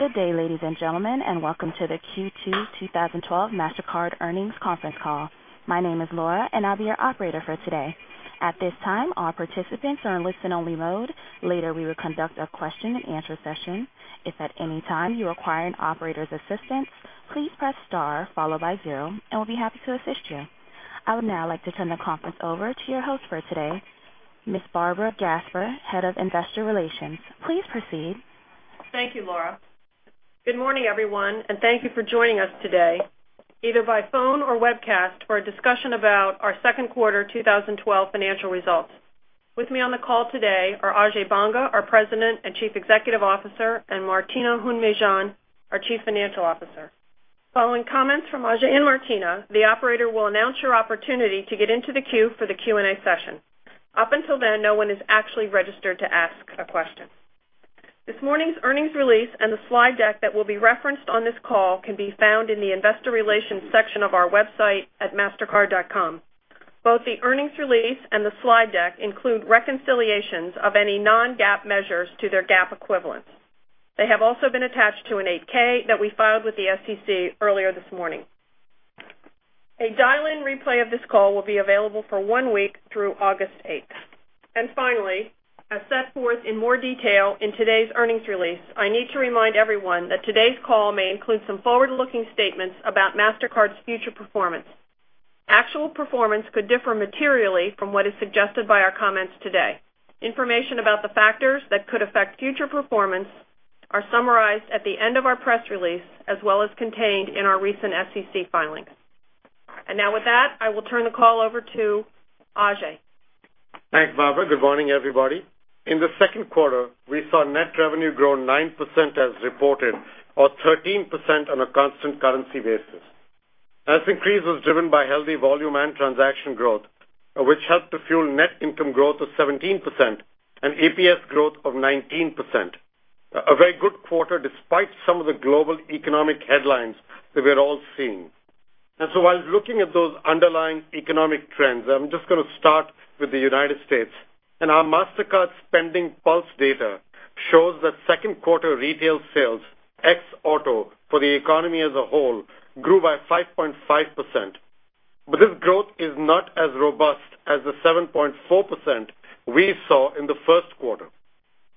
Good day, ladies and gentlemen, and welcome to the Q2 2012 Mastercard earnings conference call. My name is Laura, and I'll be your operator for today. At this time, all participants are in listen-only mode. Later, we will conduct a question-and-answer session. If at any time you require an operator's assistance, please press star followed by zero, and we'll be happy to assist you. I would now like to turn the conference over to your host for today, Ms. Barbara Gasper, Head of Investor Relations. Please proceed. Thank you, Laura. Good morning, everyone, and thank you for joining us today, either by phone or webcast, for a discussion about our second quarter 2012 financial results. With me on the call today are Ajay Banga, our President and Chief Executive Officer, and Martina Hund-Mejean, our Chief Financial Officer. Following comments from Ajay and Martina, the operator will announce your opportunity to get into the queue for the Q&A session. Up until then, no one is actually registered to ask a question. This morning's earnings release and the slide deck that will be referenced on this call can be found in the investor relations section of our website at mastercard.com. Both the earnings release and the slide deck include reconciliations of any non-GAAP measures to their GAAP equivalents. They have also been attached to an 8-K that we filed with the SEC earlier this morning. A dial-in replay of this call will be available for one week through August 8th. Finally, as set forth in more detail in today's earnings release, I need to remind everyone that today's call may include some forward-looking statements about Mastercard's future performance. Actual performance could differ materially from what is suggested by our comments today. Information about the factors that could affect future performance are summarized at the end of our press release, as well as contained in our recent SEC filings. Now with that, I will turn the call over to Ajay. Thanks, Barbara. Good morning, everybody. In the second quarter, we saw net revenue grow 9% as reported or 13% on a constant currency basis. This increase was driven by healthy volume and transaction growth, which helped to fuel net income growth of 17% and EPS growth of 19%. A very good quarter despite some of the global economic headlines that we're all seeing. While looking at those underlying economic trends, I'm just going to start with the United States. Our Mastercard SpendingPulse data shows that second quarter retail sales, ex auto, for the economy as a whole grew by 5.5%. This growth is not as robust as the 7.4% we saw in the first quarter.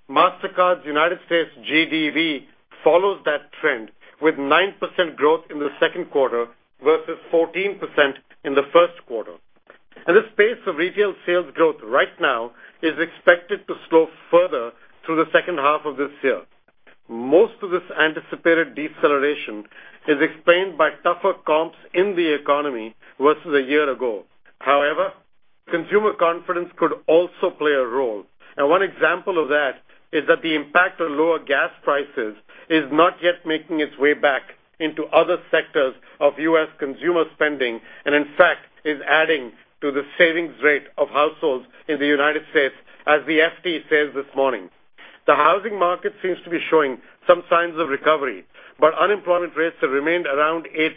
Mastercard's United States GDV follows that trend with 9% growth in the second quarter versus 14% in the first quarter. This pace of retail sales growth right now is expected to slow further through the second half of this year. Most of this anticipated deceleration is explained by tougher comps in the economy versus a year ago. However, consumer confidence could also play a role. One example of that is that the impact of lower gas prices is not yet making its way back into other sectors of U.S. consumer spending, and in fact, is adding to the savings rate of households in the United States as the FT says this morning. The housing market seems to be showing some signs of recovery, but unemployment rates have remained around 8%,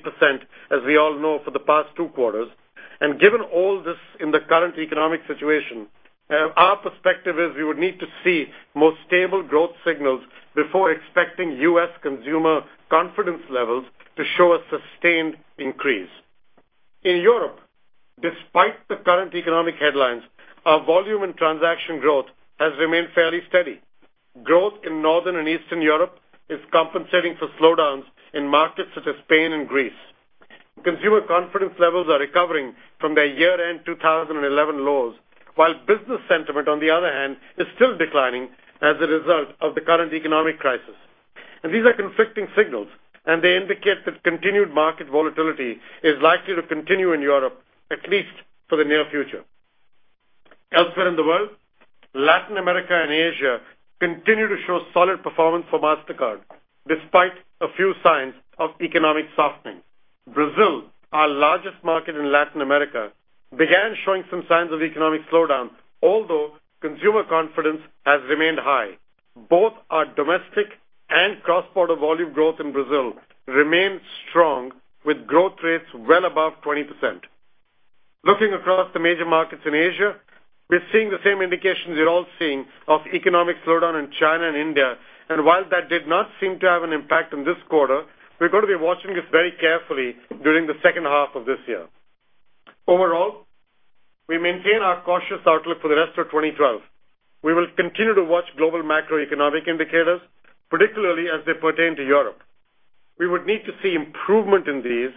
as we all know, for the past two quarters. Given all this in the current economic situation, our perspective is we would need to see more stable growth signals before expecting U.S. consumer confidence levels to show a sustained increase. In Europe, despite the current economic headlines, our volume and transaction growth has remained fairly steady. Growth in Northern and Eastern Europe is compensating for slowdowns in markets such as Spain and Greece. Consumer confidence levels are recovering from their year-end 2011 lows, while business sentiment, on the other hand, is still declining as a result of the current economic crisis. These are conflicting signals, and they indicate that continued market volatility is likely to continue in Europe, at least for the near future. Elsewhere in the world, Latin America and Asia continue to show solid performance for Mastercard, despite a few signs of economic softening. Brazil, our largest market in Latin America, began showing some signs of economic slowdown, although consumer confidence has remained high. Both our domestic and cross-border volume growth in Brazil remain strong, with growth rates well above 20%. Looking across the major markets in Asia, we're seeing the same indications you're all seeing of economic slowdown in China and India. While that did not seem to have an impact on this quarter, we're going to be watching this very carefully during the second half of this year. Overall, we maintain our cautious outlook for the rest of 2012. We will continue to watch global macroeconomic indicators, particularly as they pertain to Europe. We would need to see improvement in these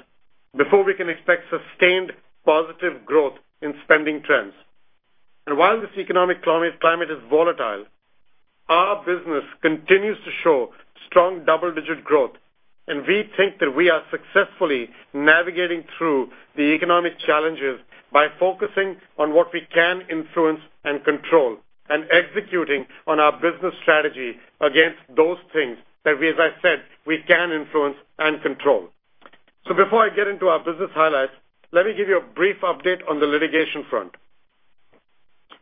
before we can expect sustained positive growth in spending trends. While this economic climate is volatile, our business continues to show strong double-digit growth, and we think that we are successfully navigating through the economic challenges by focusing on what we can influence and control and executing on our business strategy against those things that, as I said, we can influence and control. Before I get into our business highlights, let me give you a brief update on the litigation front.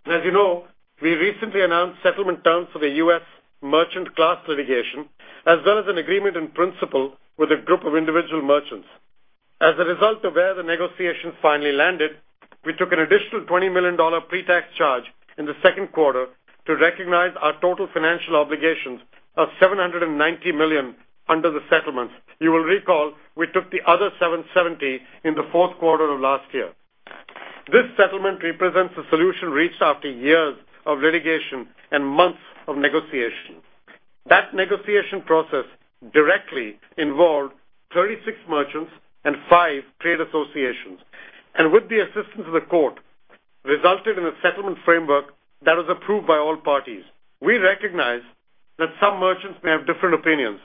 As you know, we recently announced settlement terms for the U.S. merchant class litigation, as well as an agreement in principle with a group of individual merchants. As a result of where the negotiations finally landed, we took an additional $20 million pre-tax charge in the second quarter to recognize our total financial obligations of $790 million under the settlements. You will recall, we took the other $770 in the fourth quarter of last year. This settlement represents a solution reached after years of litigation and months of negotiation. That negotiation process directly involved 36 merchants and five trade associations, with the assistance of the court, resulted in a settlement framework that was approved by all parties. We recognize that some merchants may have different opinions,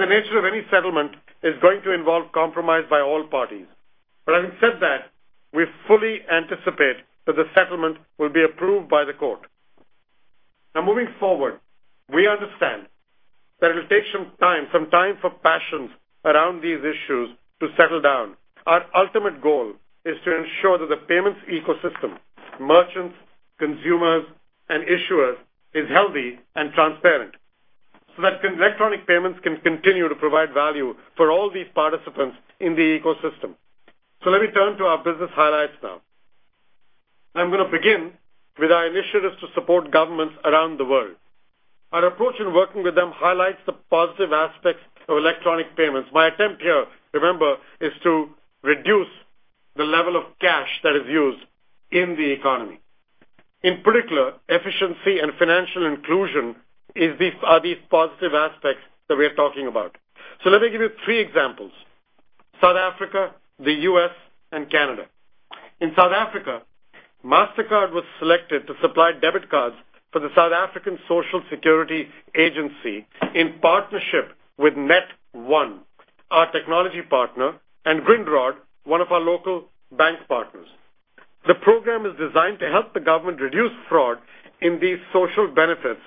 the nature of any settlement is going to involve compromise by all parties. Having said that, we fully anticipate that the settlement will be approved by the court. Moving forward, we understand that it will take some time for passions around these issues to settle down. Our ultimate goal is to ensure that the payments ecosystem, merchants, consumers, and issuers, is healthy and transparent, that electronic payments can continue to provide value for all these participants in the ecosystem. Let me turn to our business highlights now. I'm going to begin with our initiatives to support governments around the world. Our approach in working with them highlights the positive aspects of electronic payments. My attempt here, remember, is to reduce the level of cash that is used in the economy. In particular, efficiency and financial inclusion are the positive aspects that we're talking about. Let me give you three examples, South Africa, the U.S., and Canada. In South Africa, Mastercard was selected to supply debit cards for the South African Social Security Agency in partnership with Net1, our technology partner, and Grindrod, one of our local bank partners. The program is designed to help the government reduce fraud in these social benefits,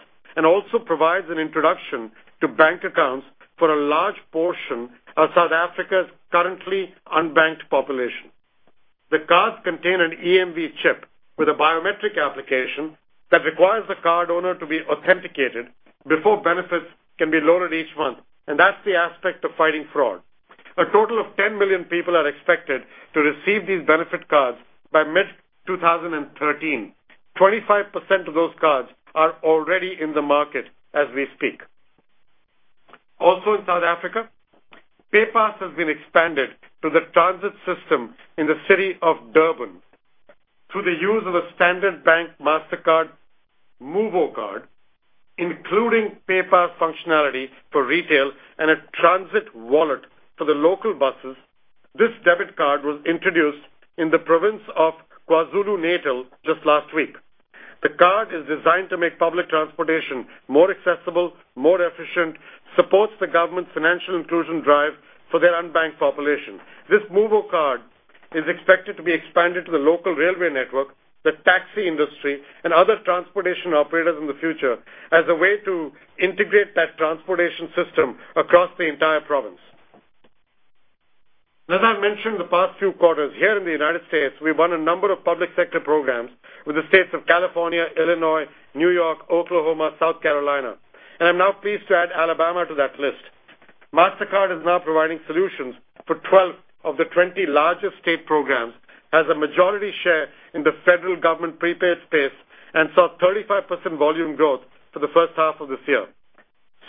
also provides an introduction to bank accounts for a large portion of South Africa's currently unbanked population. The cards contain an EMV chip with a biometric application that requires the card owner to be authenticated before benefits can be loaded each month, that's the aspect of fighting fraud. A total of 10 million people are expected to receive these benefit cards by mid-2013. 25% of those cards are already in the market as we speak. Also in South Africa, PayPass has been expanded to the transit system in the city of Durban through the use of a Standard Bank Mastercard Muvo card, including PayPass functionality for retail and a transit wallet for the local buses. This debit card was introduced in the province of KwaZulu-Natal just last week. The card is designed to make public transportation more accessible, more efficient, supports the government's financial inclusion drive for their unbanked population. This Muvo card is expected to be expanded to the local railway network, the taxi industry, and other transportation operators in the future as a way to integrate that transportation system across the entire province. As I've mentioned the past few quarters, here in the U.S., we've won a number of public sector programs with the states of California, Illinois, New York, Oklahoma, South Carolina, I'm now pleased to add Alabama to that list. Mastercard is now providing solutions for 12 of the 20 largest state programs as a majority share in the federal government prepaid space saw 35% volume growth for the first half of this year.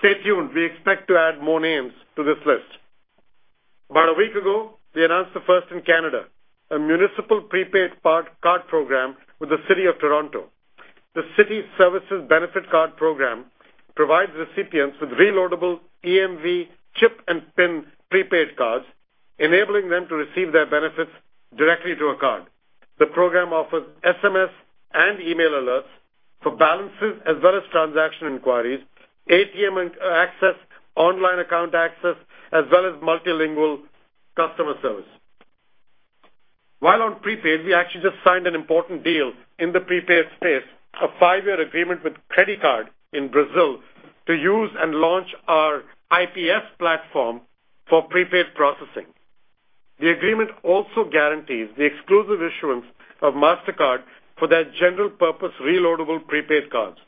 Stay tuned, we expect to add more names to this list. About a week ago, we announced the first in Canada, a municipal prepaid card program with the city of Toronto. The City Services Benefit Card program provides recipients with reloadable EMV chip-and-PIN prepaid cards, enabling them to receive their benefits directly to a card. The program offers SMS and email alerts for balances and transaction inquiries, ATM access, online account access, as well as multilingual customer service. While on prepaid, we actually just signed an important deal in the prepaid space, a five-year agreement with Credicard in Brazil to use and launch our IPS platform for prepaid processing. The agreement also guarantees the exclusive issuance of Mastercard for their general-purpose reloadable prepaid cards.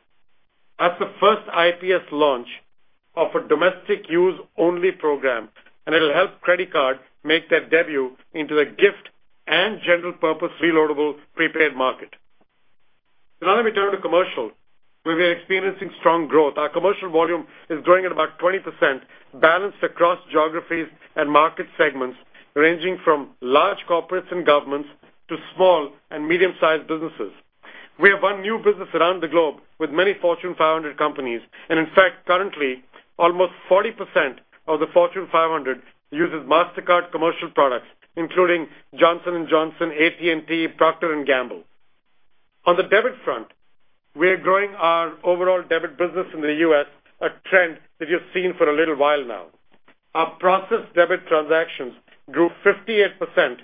That's the first IPS launch of a domestic-use-only program, and it will help Credicard make their debut into the gift and general-purpose reloadable prepaid market. Now we turn to commercial, where we are experiencing strong growth. Our commercial volume is growing at about 20%, balanced across geographies and market segments ranging from large corporates and governments to small and medium-sized businesses. We have won new business around the globe with many Fortune 500 companies. In fact, currently, almost 40% of the Fortune 500 uses Mastercard commercial products, including Johnson & Johnson, AT&T, Procter & Gamble. On the debit front, we are growing our overall debit business in the U.S., a trend that you've seen for a little while now. Our processed debit transactions grew 58%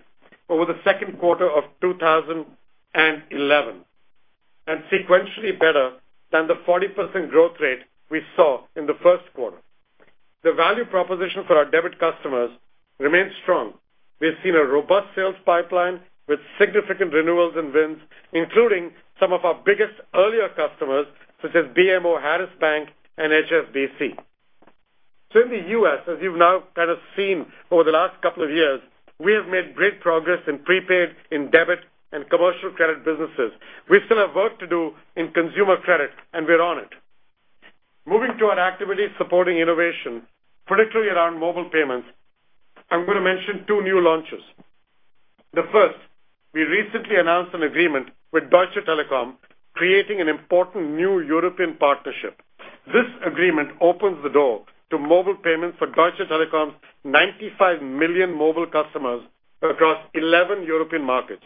over the second quarter of 2011, and sequentially better than the 40% growth rate we saw in the first quarter. The value proposition for our debit customers remains strong. We've seen a robust sales pipeline with significant renewals and wins, including some of our biggest earlier customers such as BMO Harris Bank and HSBC. In the U.S., as you've now kind of seen over the last couple of years, we have made great progress in prepaid, in debit, and commercial credit businesses. We still have work to do in consumer credit, and we're on it. Moving to our activities supporting innovation, particularly around mobile payments, I'm going to mention two new launches. The first, we recently announced an agreement with Deutsche Telekom, creating an important new European partnership. This agreement opens the door to mobile payments for Deutsche Telekom's 95 million mobile customers across 11 European markets.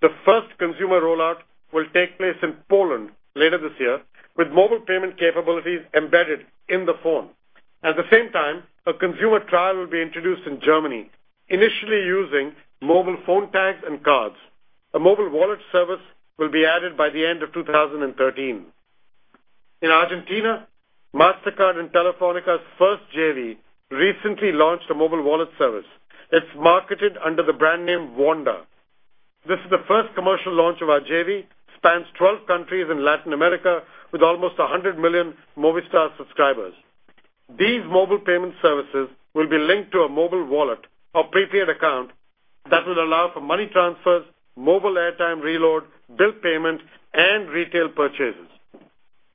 The first consumer rollout will take place in Poland later this year, with mobile payment capabilities embedded in the phone. At the same time, a consumer trial will be introduced in Germany, initially using mobile phone tags and cards. A mobile wallet service will be added by the end of 2013. In Argentina, Mastercard and Telefónica's first JV recently launched a mobile wallet service. It's marketed under the brand name Wanda. This is the first commercial launch of our JV, spans 12 countries in Latin America with almost 100 million Movistar subscribers. These mobile payment services will be linked to a mobile wallet or prepaid account that will allow for money transfers, mobile airtime reload, bill payment, and retail purchases.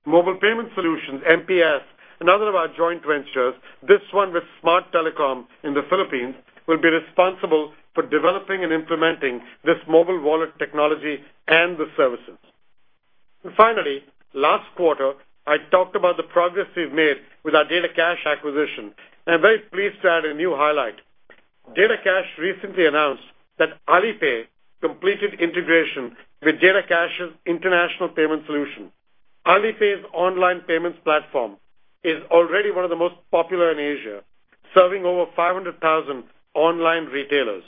Mobile Payment Solutions, MPS, another of our joint ventures, this one with Smart Telecom in the Philippines, will be responsible for developing and implementing this mobile wallet technology and the services. Finally, last quarter, I talked about the progress we've made with our DataCash acquisition. I'm very pleased to add a new highlight. DataCash recently announced that Alipay completed integration with DataCash's international payment solution. Alipay's online payments platform is already one of the most popular in Asia, serving over 500,000 online retailers.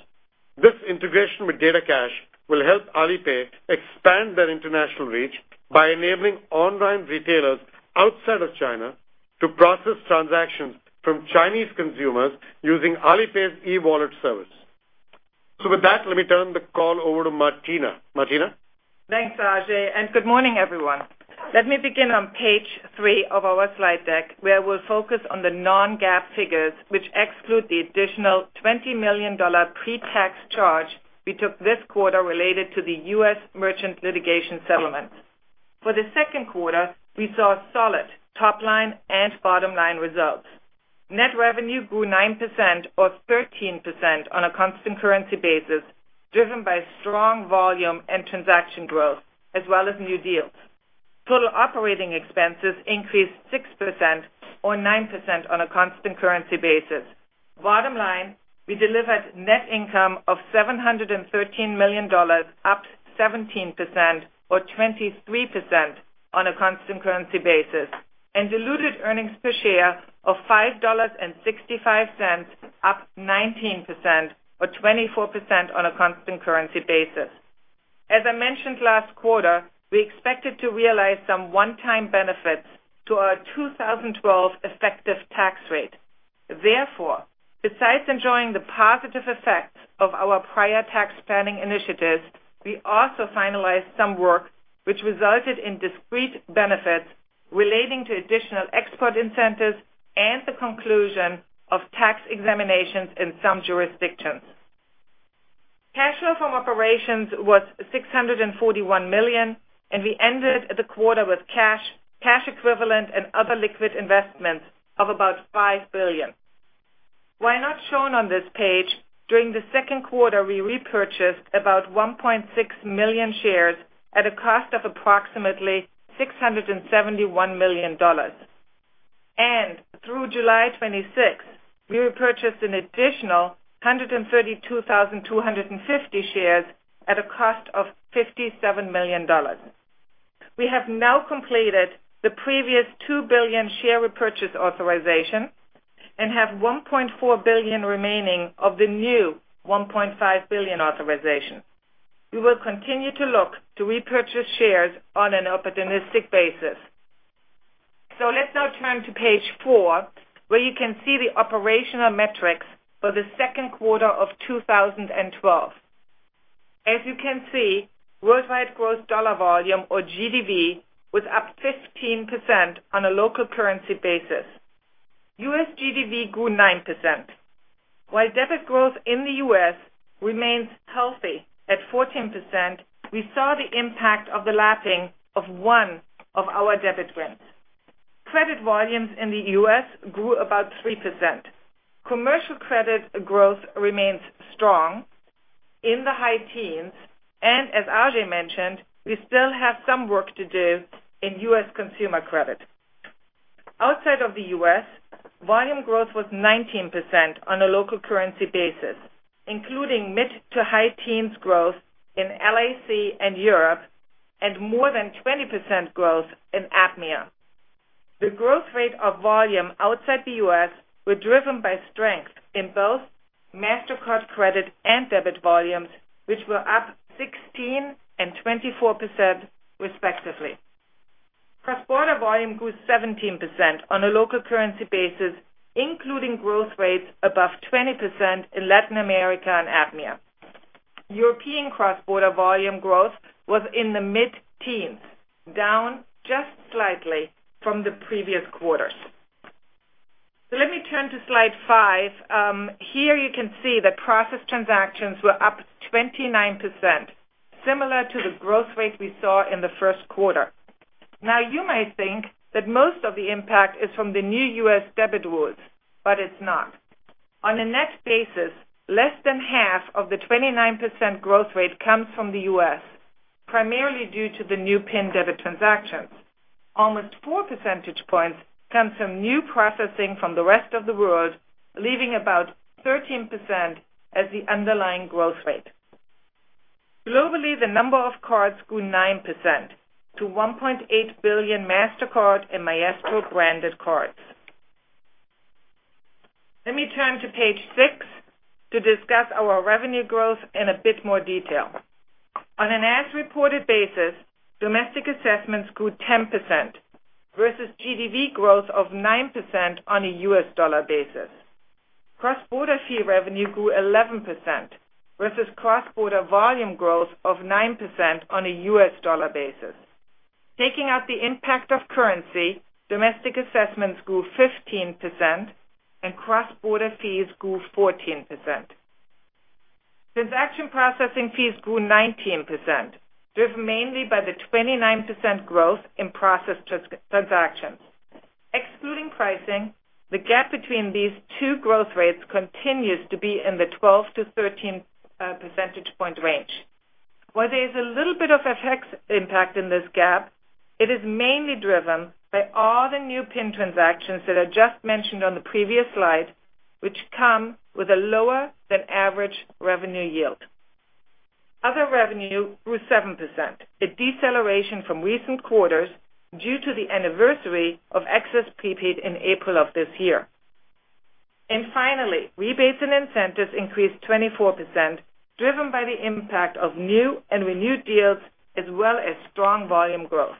This integration with DataCash will help Alipay expand their international reach by enabling online retailers outside of China to process transactions from Chinese consumers using Alipay's e-wallet service. With that, let me turn the call over to Martina. Martina? Thanks, Ajay, good morning, everyone. Let me begin on page three of our slide deck, where we'll focus on the non-GAAP figures, which exclude the additional $20 million pre-tax charge we took this quarter related to the U.S. merchant litigation settlement. For the second quarter, we saw solid top-line and bottom-line results. Net revenue grew 9% or 13% on a constant currency basis, driven by strong volume and transaction growth as well as new deals. Total operating expenses increased 6% or 9% on a constant currency basis. Bottom line, we delivered net income of $713 million, up 17% or 23% on a constant currency basis, and diluted earnings per share of $5.65, up 19% or 24% on a constant currency basis. As I mentioned last quarter, we expected to realize some one-time benefits to our 2012 effective tax rate. Therefore, besides enjoying the positive effects of our prior tax planning initiatives, we also finalized some work which resulted in discrete benefits relating to additional export incentives and the conclusion of tax examinations in some jurisdictions. Cash flow from operations was $641 million, we ended the quarter with cash equivalent, and other liquid investments of about $5 billion. While not shown on this page, during the second quarter, we repurchased about 1.6 million shares at a cost of approximately $671 million. Through July 26th, we repurchased an additional 132,250 shares at a cost of $57 million. We have now completed the previous 2 billion share repurchase authorization and have 1.4 billion remaining of the new 1.5 billion authorization. We will continue to look to repurchase shares on an opportunistic basis. Let's now turn to page four, where you can see the operational metrics for the second quarter of 2012. As you can see, worldwide gross dollar volume or GDV was up 15% on a local currency basis. U.S. GDV grew 9%. While debit growth in the U.S. remains healthy at 14%, we saw the impact of the lapping of one of our debit wins. Credit volumes in the U.S. grew about 3%. Commercial credit growth remains strong in the high teens, and as Ajay mentioned, we still have some work to do in U.S. consumer credit. Outside of the U.S., volume growth was 19% on a local currency basis, including mid to high teens growth in LAC and Europe, and more than 20% growth in APMEA. The growth rate of volume outside the U.S. were driven by strength in both Mastercard credit and debit volumes, which were up 16% and 24% respectively. Cross-border volume grew 17% on a local currency basis, including growth rates above 20% in Latin America and APMEA. European cross-border volume growth was in the mid-teens, down just slightly from the previous quarters. Let me turn to slide five. Here you can see that processed transactions were up 29%, similar to the growth rate we saw in the first quarter. You may think that most of the impact is from the new U.S. debit rules, but it's not. On a net basis, less than half of the 29% growth rate comes from the U.S., primarily due to the new PIN debit transactions. Almost four percentage points comes from new processing from the rest of the world, leaving about 13% as the underlying growth rate. Globally, the number of cards grew 9% to 1.8 billion Mastercard and Maestro-branded cards. Let me turn to page six to discuss our revenue growth in a bit more detail. On an as-reported basis, domestic assessments grew 10% versus GDV growth of 9% on a U.S. dollar basis. Cross-border fee revenue grew 11% versus cross-border volume growth of 9% on a U.S. dollar basis. Taking out the impact of currency, domestic assessments grew 15% and cross-border fees grew 14%. Transaction processing fees grew 19%, driven mainly by the 29% growth in processed transactions. Excluding pricing, the gap between these two growth rates continues to be in the 12%-13 percentage point range. While there is a little bit of FX impact in this gap, it is mainly driven by all the new PIN transactions that I just mentioned on the previous slide, which come with a lower than average revenue yield. Other revenue grew 7%, a deceleration from recent quarters due to the anniversary of Access Prepaid in April of this year. Finally, rebates and incentives increased 24%, driven by the impact of new and renewed deals as well as strong volume growth.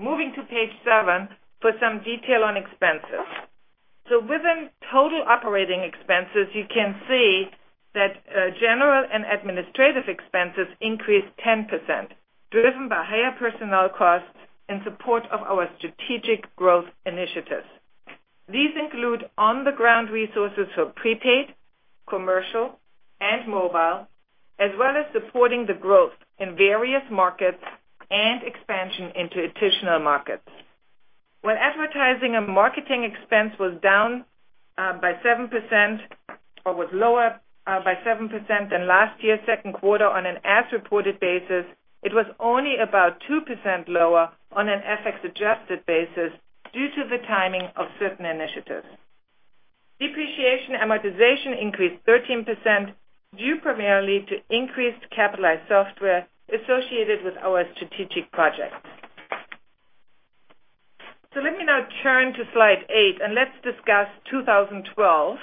Moving to page seven for some detail on expenses. Within total operating expenses, you can see that General and Administrative expenses increased 10%, driven by higher personnel costs in support of our strategic growth initiatives. These include on-the-ground resources for prepaid, commercial, and mobile, as well as supporting the growth in various markets and expansion into additional markets. While advertising and marketing expense was down by 7%, or was lower by 7% than last year second quarter on an as-reported basis, it was only about 2% lower on an FX-adjusted basis due to the timing of certain initiatives. Depreciation amortization increased 13%, due primarily to increased capitalized software associated with our strategic projects. Let me now turn to slide eight and let's discuss 2012,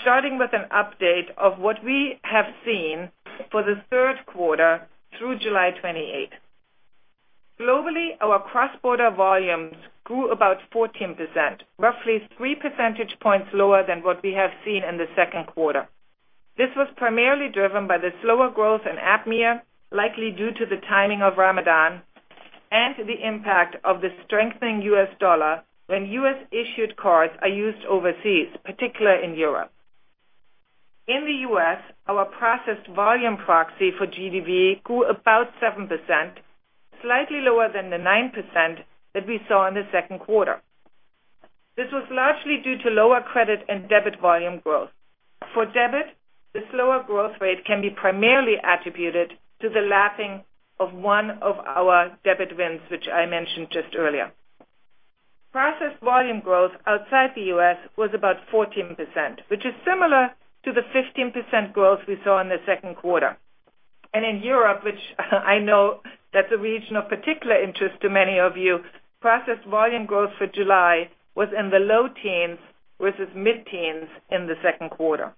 starting with an update of what we have seen for the third quarter through July 28th. Globally, our cross-border volumes grew about 14%, roughly three percentage points lower than what we have seen in the second quarter. This was primarily driven by the slower growth in APMEA, likely due to the timing of Ramadan and the impact of the strengthening U.S. dollar when U.S.-issued cards are used overseas, particularly in Europe. In the U.S., our processed volume proxy for GDV grew about 7%, slightly lower than the 9% that we saw in the second quarter. This was largely due to lower credit and debit volume growth. For debit, the slower growth rate can be primarily attributed to the lapping of one of our debit wins, which I mentioned just earlier. Processed volume growth outside the U.S. was about 14%, which is similar to the 15% growth we saw in the second quarter. In Europe, which I know that's a region of particular interest to many of you, processed volume growth for July was in the low teens versus mid-teens in the second quarter.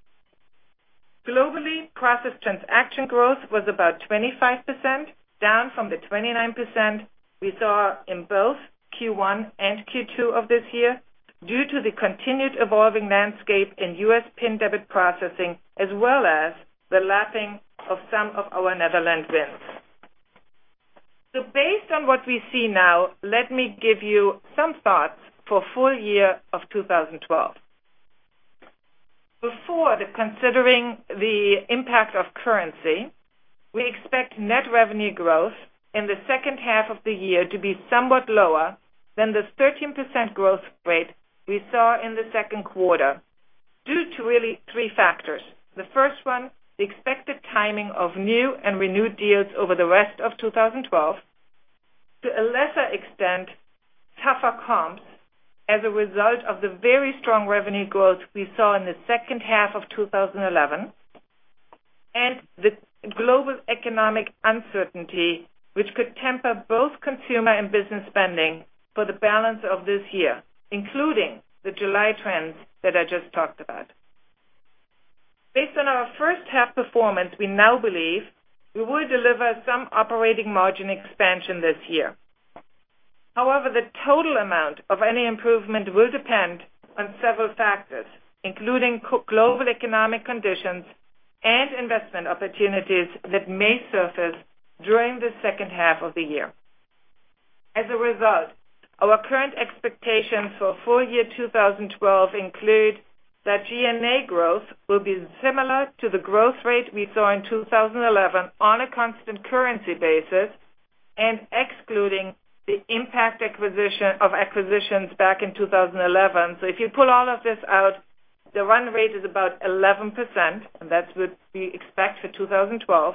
Globally, processed transaction growth was about 25%, down from the 29% we saw in both Q1 and Q2 of this year due to the continued evolving landscape in U.S. PIN debit processing as well as the lapping of some of our Netherlands wins. Based on what we see now, let me give you some thoughts for full year of 2012. Before considering the impact of currency, we expect net revenue growth in the second half of the year to be somewhat lower than the 13% growth rate we saw in the second quarter due to really three factors. The first one, the expected timing of new and renewed deals over the rest of 2012. To a lesser extent, tougher comps as a result of the very strong revenue growth we saw in the second half of 2011. The global economic uncertainty, which could temper both consumer and business spending for the balance of this year, including the July trends that I just talked about. Based on our first half performance, we now believe we will deliver some operating margin expansion this year. However, the total amount of any improvement will depend on several factors, including global economic conditions and investment opportunities that may surface during the second half of the year. As a result, our current expectations for full year 2012 include that G&A growth will be similar to the growth rate we saw in 2011 on a constant currency basis and excluding the impact of acquisitions back in 2011. If you pull all of this out, the run rate is about 11%, and that's what we expect for 2012.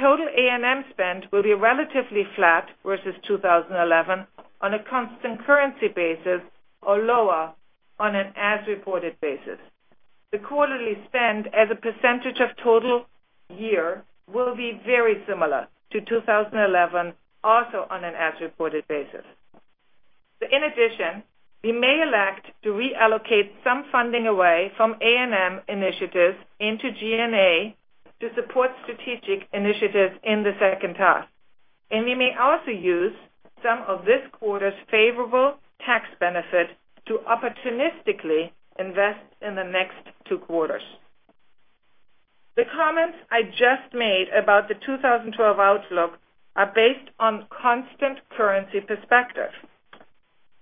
Total A&M spend will be relatively flat versus 2011 on a constant currency basis or lower on an as-reported basis. The quarterly spend as a percentage of total year will be very similar to 2011, also on an as-reported basis. In addition, we may elect to reallocate some funding away from A&M initiatives into G&A to support strategic initiatives in the second half. We may also use some of this quarter's favorable tax benefit to opportunistically invest in the next two quarters. The comments I just made about the 2012 outlook are based on constant currency perspective.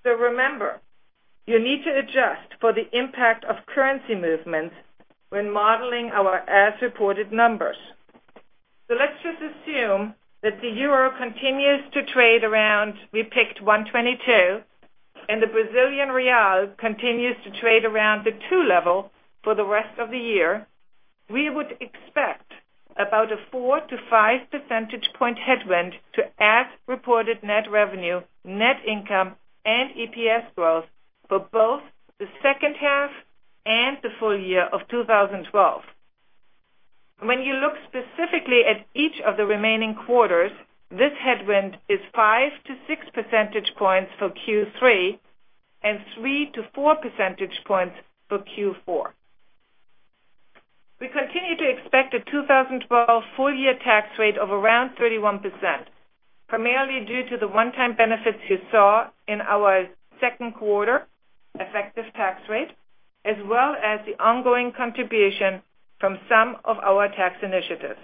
Remember, you need to adjust for the impact of currency movements when modeling our as-reported numbers. Let's just assume that the EUR continues to trade around, we picked 122, and the BRL continues to trade around the 2 level for the rest of the year. We would expect about a 4%-5% percentage point headwind to as-reported net revenue, net income, and EPS growth for both the second half and the full year of 2012. When you look specifically at each of the remaining quarters, this headwind is 5%-6% percentage points for Q3 and 3%-4% percentage points for Q4. We continue to expect a 2012 full-year tax rate of around 31%, primarily due to the one-time benefits you saw in our second quarter effective tax rate, as well as the ongoing contribution from some of our tax initiatives.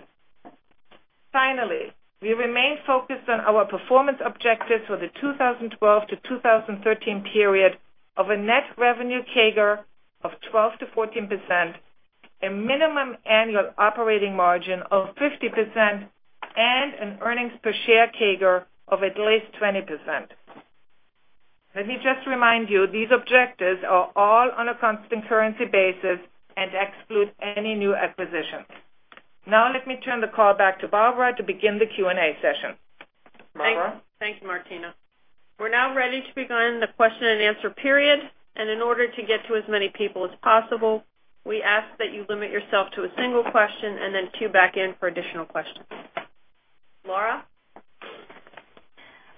Finally, we remain focused on our performance objectives for the 2012-2013 period of a net revenue CAGR of 12%-14%, a minimum annual operating margin of 50%, and an earnings per share CAGR of at least 20%. Let me just remind you, these objectives are all on a constant currency basis and exclude any new acquisitions. Now let me turn the call back to Barbara to begin the Q&A session. Barbara? Thanks, Martina. In order to get to as many people as possible, we ask that you limit yourself to a single question and then queue back in for additional questions. Laura?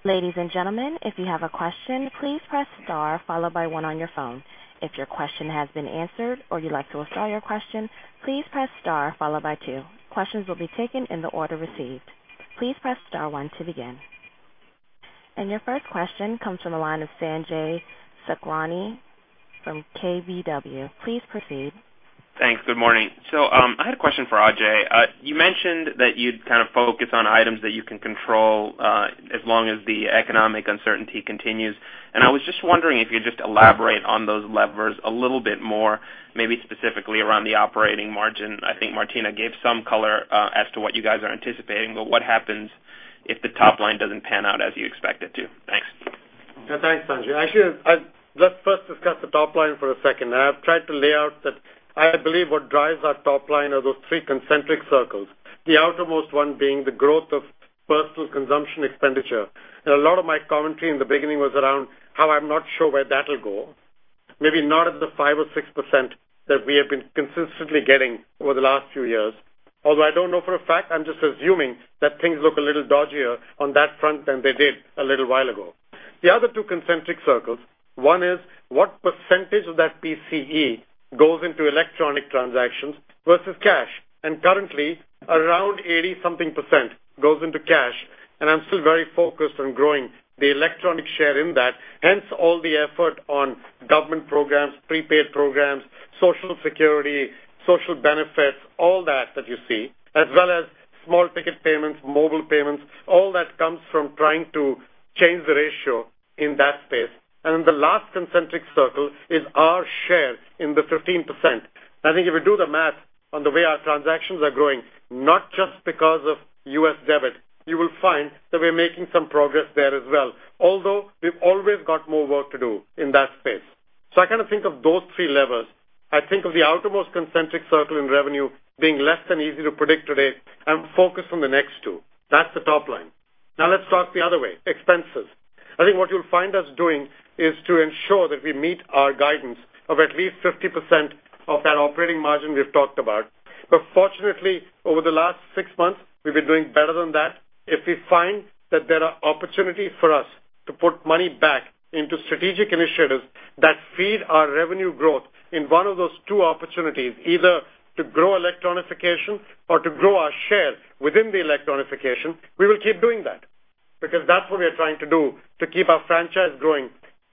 Ladies and gentlemen, if you have a question, please press star followed by one on your phone. If your question has been answered or you'd like to withdraw your question, please press star followed by two. Questions will be taken in the order received. Please press star one to begin. Your first question comes from the line of Sanjay Sakhrani from KBW. Please proceed. Thanks. Good morning. I had a question for Ajay. You mentioned that you'd kind of focus on items that you can control as long as the economic uncertainty continues. I was just wondering if you'd just elaborate on those levers a little bit more, maybe specifically around the operating margin. I think Martina gave some color as to what you guys are anticipating, but what happens if the top line doesn't pan out as you expect it to? Thanks. Thanks, Sanjay. Let's first discuss the top line for a second. I have tried to lay out that I believe what drives our top line are those three concentric circles, the outermost one being the growth of personal consumption expenditure. A lot of my commentary in the beginning was around how I'm not sure where that'll go. Maybe not at the 5% or 6% that we have been consistently getting over the last few years. Although I don't know for a fact, I'm just assuming that things look a little dodgier on that front than they did a little while ago. The other two concentric circles, one is what percentage of that PCE goes into electronic transactions versus cash. Currently, around 80-something% goes into cash, and I'm still very focused on growing the electronic share in that. Hence all the effort on government programs, prepaid programs, Social Security, social benefits, all that that you see, as well as small ticket payments, mobile payments, all that comes from trying to change the ratio in that space. The last concentric circle is our share in the 15%. I think if you do the math on the way our transactions are growing, not just because of U.S. debit, you will find that we're making some progress there as well, although we've always got more work to do in that space. I kind of think of those three levers. I think of the outermost concentric circle in revenue being less than easy to predict today and focus on the next two. That's the top line. Now let's talk the other way, expenses. I think what you'll find us doing is to ensure that we meet our guidance of at least 50% of that operating margin we've talked about. Fortunately, over the last six months, we've been doing better than that. If we find that there are opportunities for us to put money back into strategic initiatives that feed our revenue growth in one of those two opportunities, either to grow electronification or to grow our share within the electronification, we will keep doing that. That's what we are trying to do to keep our franchise growing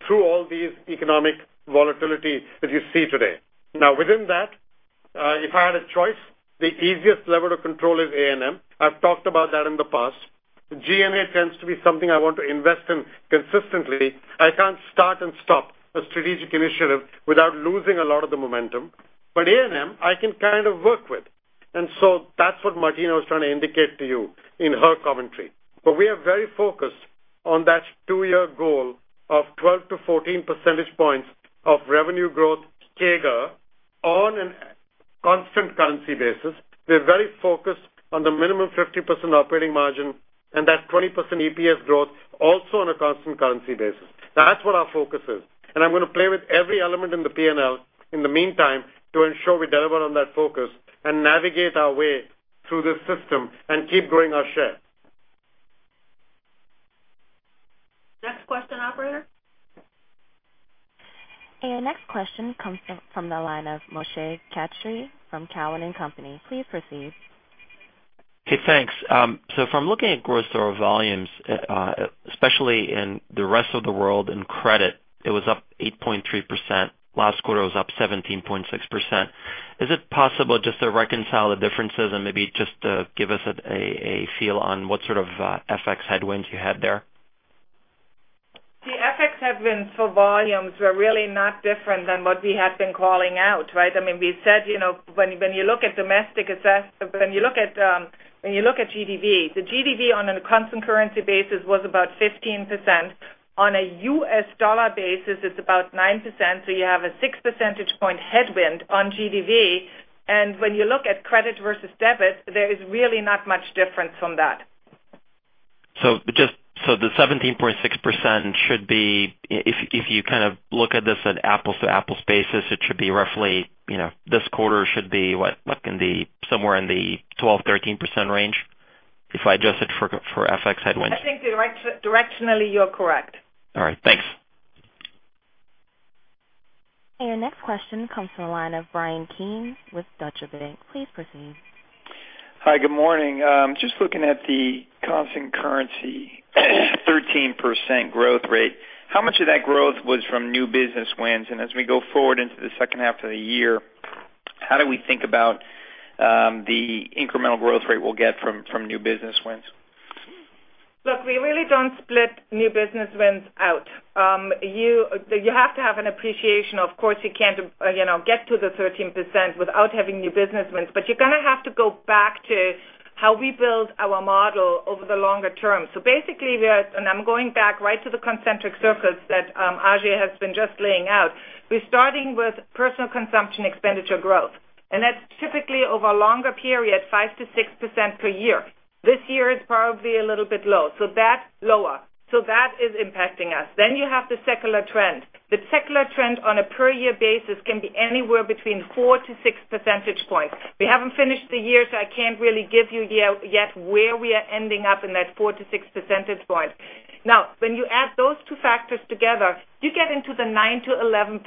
through all this economic volatility that you see today. Now, within that, if I had a choice, the easiest lever to control is A&M. I've talked about that in the past. G&A tends to be something I want to invest in consistently. I can't start and stop a strategic initiative without losing a lot of the momentum. A&M, I can kind of work with. That's what Martina was trying to indicate to you in her commentary. We are very focused on that two-year goal of 12-14 percentage points of revenue growth CAGR on a constant currency basis. We're very focused on the minimum 50% operating margin and that 20% EPS growth also on a constant currency basis. That's what our focus is. I'm going to play with every element in the P&L in the meantime to ensure we deliver on that focus and navigate our way through this system and keep growing our share. Next question, operator. Your next question comes from the line of Moshe Katri from Cowen and Company. Please proceed. Hey, thanks. If I'm looking at gross dollar volumes, especially in the rest of the world in credit, it was up 8.3%. Last quarter, it was up 17.6%. Is it possible just to reconcile the differences and maybe just give us a feel on what sort of FX headwinds you had there? The FX headwinds for volumes were really not different than what we had been calling out, right? We said when you look at GDV, the GDV on a constant currency basis was about 15%. On a U.S. dollar basis, it's about 9%, so you have a six-percentage point headwind on GDV. When you look at credit versus debit, there is really not much difference from that. The 17.6% should be, if you kind of look at this at an apples-to-apples basis, it should be roughly this quarter should be what? Somewhere in the 12%-13% range, if I adjust it for FX headwinds. I think directionally you're correct. All right, thanks. Your next question comes from the line of Bryan Keane with Deutsche Bank. Please proceed. Hi, good morning. Just looking at the constant currency 13% growth rate, how much of that growth was from new business wins? As we go forward into the second half of the year, how do we think about the incremental growth rate we'll get from new business wins? Look, we really don't split new business wins out. You have to have an appreciation. Of course, you can't get to the 13% without having new business wins, but you kind of have to go back to how we build our model over the longer term. I'm going back right to the concentric circles that Ajay has been just laying out. We're starting with personal consumption expenditure growth, and that's typically over a longer period, 5% to 6% per year. This year it's probably a little bit low, so that's lower. That is impacting us. You have the secular trend. The secular trend on a per year basis can be anywhere between four to six percentage points. We haven't finished the year, so I can't really give you yet where we are ending up in that four to six percentage point. When you add those two factors together, you get into the 9% to 11%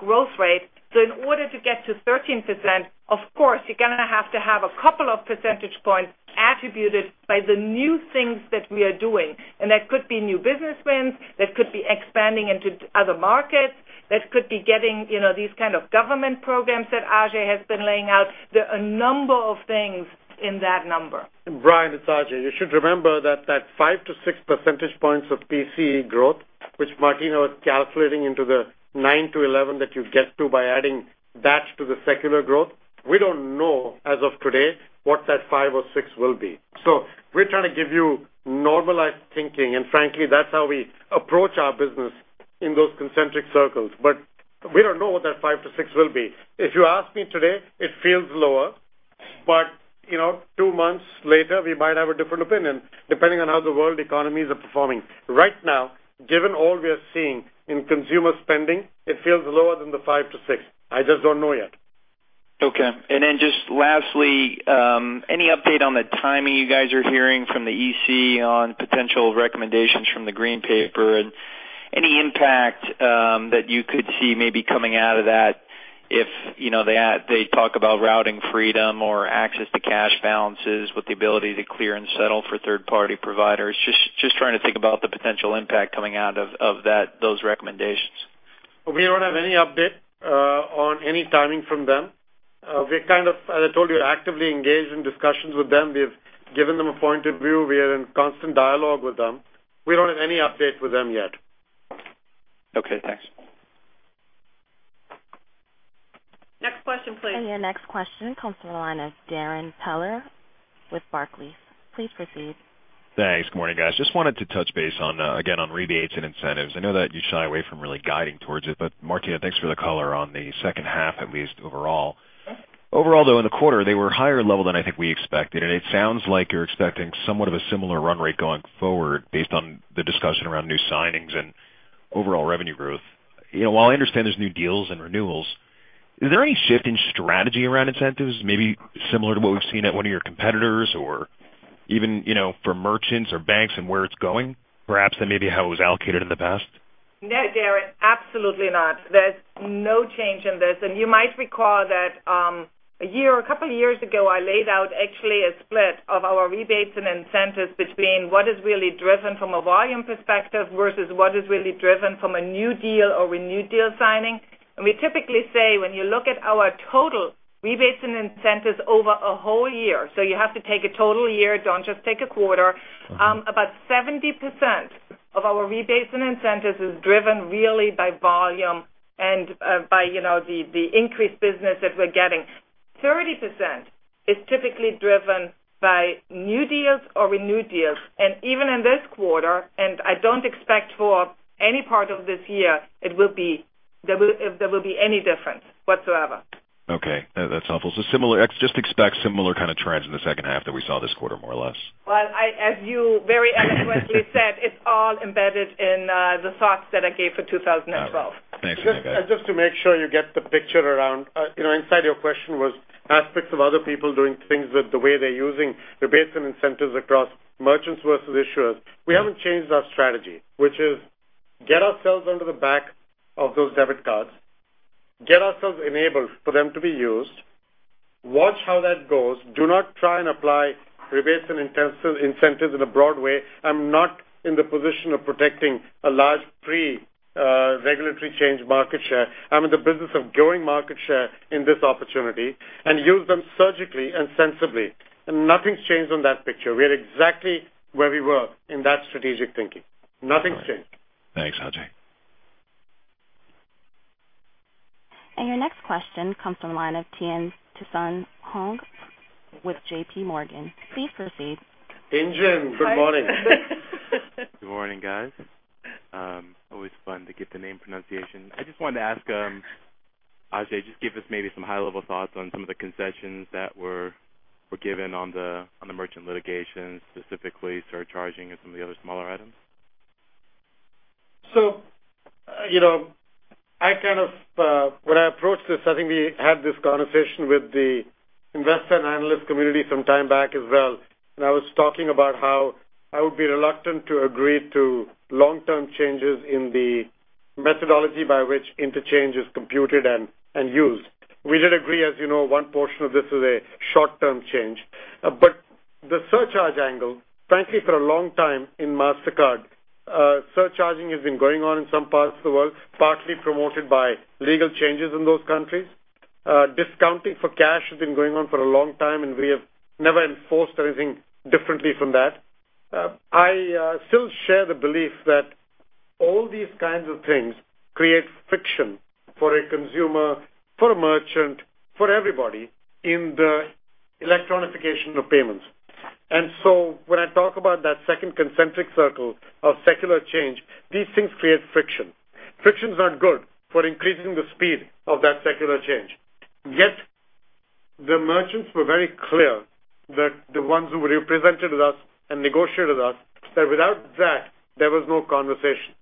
growth rate. In order to get to 13%, of course, you're going to have to have a couple of percentage points attributed by the new things that we are doing, and that could be new business wins, that could be expanding into other markets, that could be getting these kind of government programs that Ajay has been laying out. There are a number of things in that number. Bryan, it's Ajay. You should remember that that five to six percentage points of PCE growth, which Martina was calculating into the nine to 11 that you get to by adding that to the secular growth, we don't know as of today what that five or six will be. We're trying to give you normalized thinking, and frankly, that's how we approach our business in those concentric circles. We don't know what that five to six will be. If you ask me today, it feels lower. Two months later, we might have a different opinion depending on how the world economies are performing. Right now, given all we are seeing in consumer spending, it feels lower than the five to six. I just don't know yet. Okay. Just lastly, any update on the timing you guys are hearing from the EC on potential recommendations from the Green Paper and any impact that you could see maybe coming out of that if they talk about routing freedom or access to cash balances with the ability to clear and settle for third-party providers? Just trying to think about the potential impact coming out of those recommendations. We don't have any update on any timing from them. As I told you, actively engaged in discussions with them. We have given them a point of view. We are in constant dialogue with them. We don't have any update with them yet. Okay, thanks. Next question, please. Your next question comes from the line of Darrin Peller with Barclays. Please proceed. Thanks. Morning, guys. Just wanted to touch base again on rebates and incentives. I know that you shy away from really guiding towards it, but Martina, thanks for the color on the second half, at least overall. Overall, though, in the quarter, they were higher level than I think we expected, and it sounds like you're expecting somewhat of a similar run rate going forward based on the discussion around new signings and overall revenue growth. While I understand there's new deals and renewals, is there any shift in strategy around incentives, maybe similar to what we've seen at one of your competitors or even for merchants or banks and where it's going perhaps than maybe how it was allocated in the past? No, Darrin. Absolutely not. There's no change in this. You might recall that a year or a couple of years ago, I laid out actually a split of our rebates and incentives between what is really driven from a volume perspective versus what is really driven from a new deal or renewed deal signing. We typically say, when you look at our total rebates and incentives over a whole year, so you have to take a total year, don't just take a quarter. about 70% of our rebates and incentives is driven really by volume and by the increased business that we're getting. 30% is typically driven by new deals or renewed deals. Even in this quarter, and I don't expect for any part of this year, there will be any difference whatsoever. Okay. That's helpful. Just expect similar kind of trends in the second half that we saw this quarter, more or less. Well, as you very eloquently said, it's all embedded in the thoughts that I gave for 2012. All right. Thanks, Martina. Just to make sure you get the picture around. Inside your question was aspects of other people doing things with the way they're using rebates and incentives across merchants versus issuers. We haven't changed our strategy, which is get ourselves under the back of those debit cards, get ourselves enabled for them to be used, watch how that goes, do not try and apply rebates and incentives in a broad way. I'm not in the position of protecting a large pre-regulatory change market share. I'm in the business of growing market share in this opportunity and use them surgically and sensibly. Nothing's changed on that picture. We are exactly where we were in that strategic thinking. Nothing's changed. All right. Thanks, Ajay. Your next question comes from the line of Tien-tsin Huang with J.P. Morgan. Please proceed. Tien-tsin, good morning. Good morning, guys. Always fun to get the name pronunciation. I just wanted to ask Ajay, just give us maybe some high-level thoughts on some of the concessions that were given on the merchant litigation, specifically surcharging and some of the other smaller items. When I approached this, I think we had this conversation with the investor and analyst community some time back as well, and I was talking about how I would be reluctant to agree to long-term changes in the methodology by which interchange is computed and used. We did agree, as you know, one portion of this is a short-term change. The surcharge angle, frankly, for a long time in Mastercard, surcharging has been going on in some parts of the world, partly promoted by legal changes in those countries. Discounting for cash has been going on for a long time, and we have never enforced anything differently from that. I still share the belief that all these kinds of things create friction for a consumer, for a merchant, for everybody in the electronification of payments. When I talk about that second concentric circle of secular change, these things create friction. Friction is not good for increasing the speed of that secular change. Yet the merchants were very clear that the ones who represented with us and negotiated with us, that without that, there was no conversation.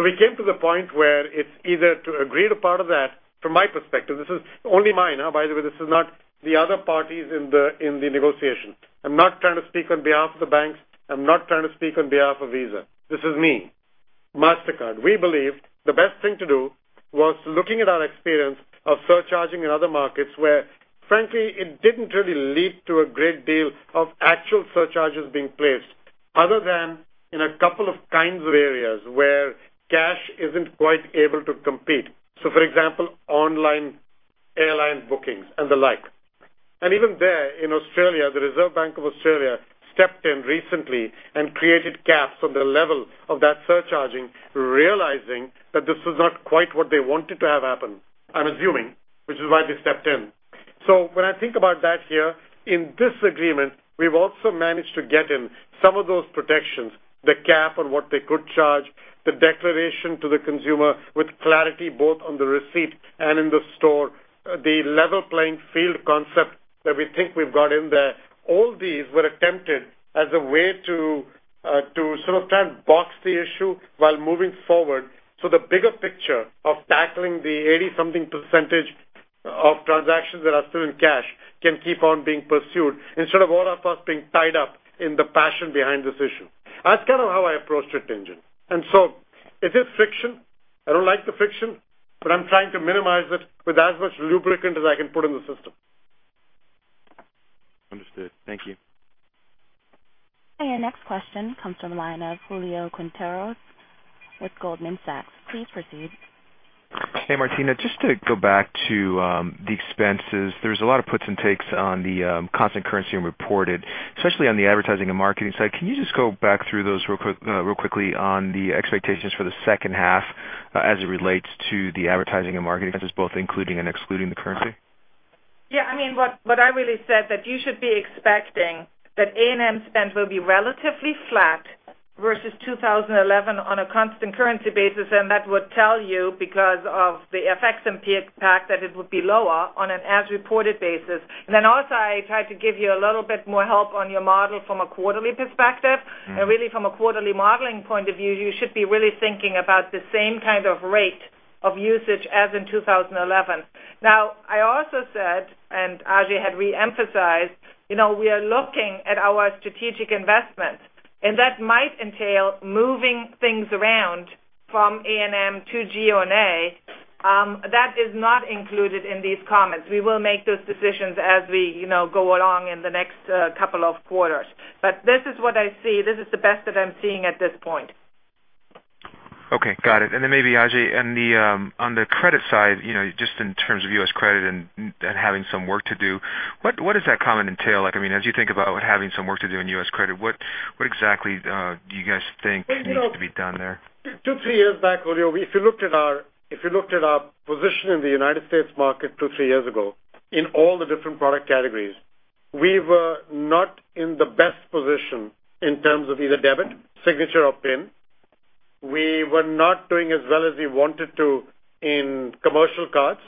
We came to the point where it's either to agree to part of that from my perspective. This is only mine. By the way, this is not the other parties in the negotiation. I'm not trying to speak on behalf of the banks. I'm not trying to speak on behalf of Visa. This is me, Mastercard. We believe the best thing to do was looking at our experience of surcharging in other markets where frankly, it didn't really lead to a great deal of actual surcharges being placed other than in a couple of kinds of areas where cash isn't quite able to compete. For example, online airline bookings and the like. Even there in Australia, the Reserve Bank of Australia stepped in recently and created caps on the level of that surcharging, realizing that this was not quite what they wanted to have happen, I'm assuming, which is why they stepped in. When I think about that here in this agreement, we've also managed to get in some of those protections, the cap on what they could charge, the declaration to the consumer with clarity both on the receipt and in the store, the level playing field concept that we think we've got in there. All these were attempted as a way to sort of try and box the issue while moving forward. The bigger picture of tackling the 80-something percent of transactions that are still in cash can keep on being pursued instead of all of us being tied up in the passion behind this issue. That's kind of how I approached it, Tien-tsin. It is friction. I don't like the friction, but I'm trying to minimize it with as much lubricant as I can put in the system. Understood. Thank you. Your next question comes from the line of Julio Quinteros with Goldman Sachs. Please proceed. Hey, Martina. Just to go back to the expenses, there's a lot of puts and takes on the constant currency and reported, especially on the advertising and marketing side. Can you just go back through those real quickly on the expectations for the second half as it relates to the advertising and marketing expenses, both including and excluding the currency? what I really said that you should be expecting that A&M spend will be relatively flat versus 2011 on a constant currency basis, that would tell you because of the FX impact that it would be lower on an as-reported basis. Also, I tried to give you a little bit more help on your model from a quarterly perspective. Really from a quarterly modeling point of view, you should be really thinking about the same kind of rate of usage as in 2011. Now I also said, and Ajay had re-emphasized, we are looking at our strategic investments and that might entail moving things around from A&M to G&A. That is not included in these comments. We will make those decisions as we go along in the next couple of quarters. This is what I see. This is the best that I'm seeing at this point. Okay, got it. Then maybe Ajay, on the credit side, just in terms of U.S. credit and having some work to do, what does that comment entail? As you think about having some work to do in U.S. credit, what exactly do you guys think needs to be done there? Two, three years back, Julio, if you looked at our position in the United States market two, three years ago in all the different product categories, we were not in the best position in terms of either debit, signature or PIN. We were not doing as well as we wanted to in commercial cards.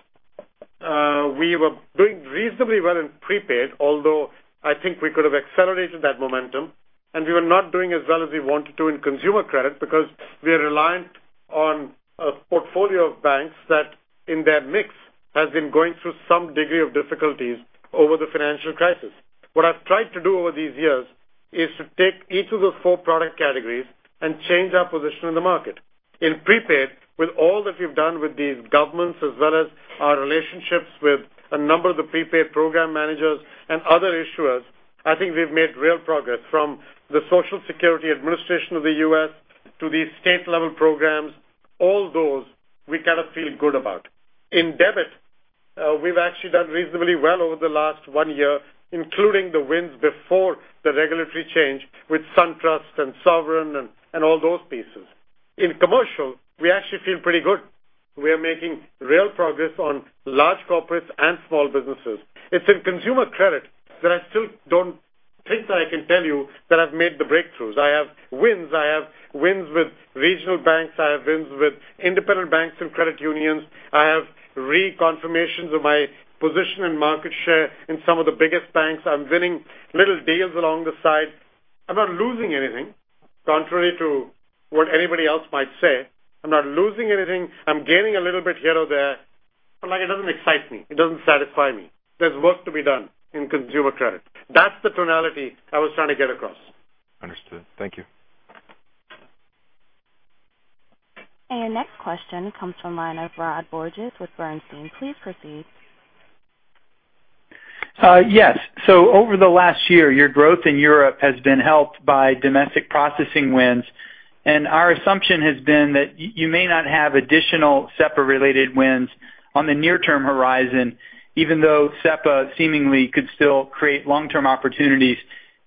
We were doing reasonably well in prepaid, although I think we could have accelerated that momentum. We were not doing as well as we wanted to in consumer credit because we are reliant on a portfolio of banks that in their mix has been going through some degree of difficulties over the financial crisis. What I've tried to do over these years is to take each of those four product categories and change our position in the market. In prepaid, with all that we've done with these governments as well as our relationships with a number of the prepaid program managers and other issuers, I think we've made real progress from the Social Security Administration of the U.S. to these state-level programs. All those we kind of feel good about. In debit, we've actually done reasonably well over the last one year, including the wins before the regulatory change with SunTrust and Sovereign and all those pieces. In commercial, we actually feel pretty good. We are making real progress on large corporates and small businesses. It's in consumer credit that I still don't think that I can tell you that I've made the breakthroughs. I have wins. I have wins with regional banks. I have wins with independent banks and credit unions. I have re-confirmations of my position and market share in some of the biggest banks. I'm winning little deals along the side. I'm not losing anything, contrary to what anybody else might say. I'm not losing anything. I'm gaining a little bit here or there. It doesn't excite me. It doesn't satisfy me. There's work to be done in consumer credit. That's the tonality I was trying to get across. Understood. Thank you. Your next question comes from the line of Rod Bourgeois with Bernstein. Please proceed. Yes. Over the last year, your growth in Europe has been helped by domestic processing wins, and our assumption has been that you may not have additional SEPA-related wins on the near-term horizon, even though SEPA seemingly could still create long-term opportunities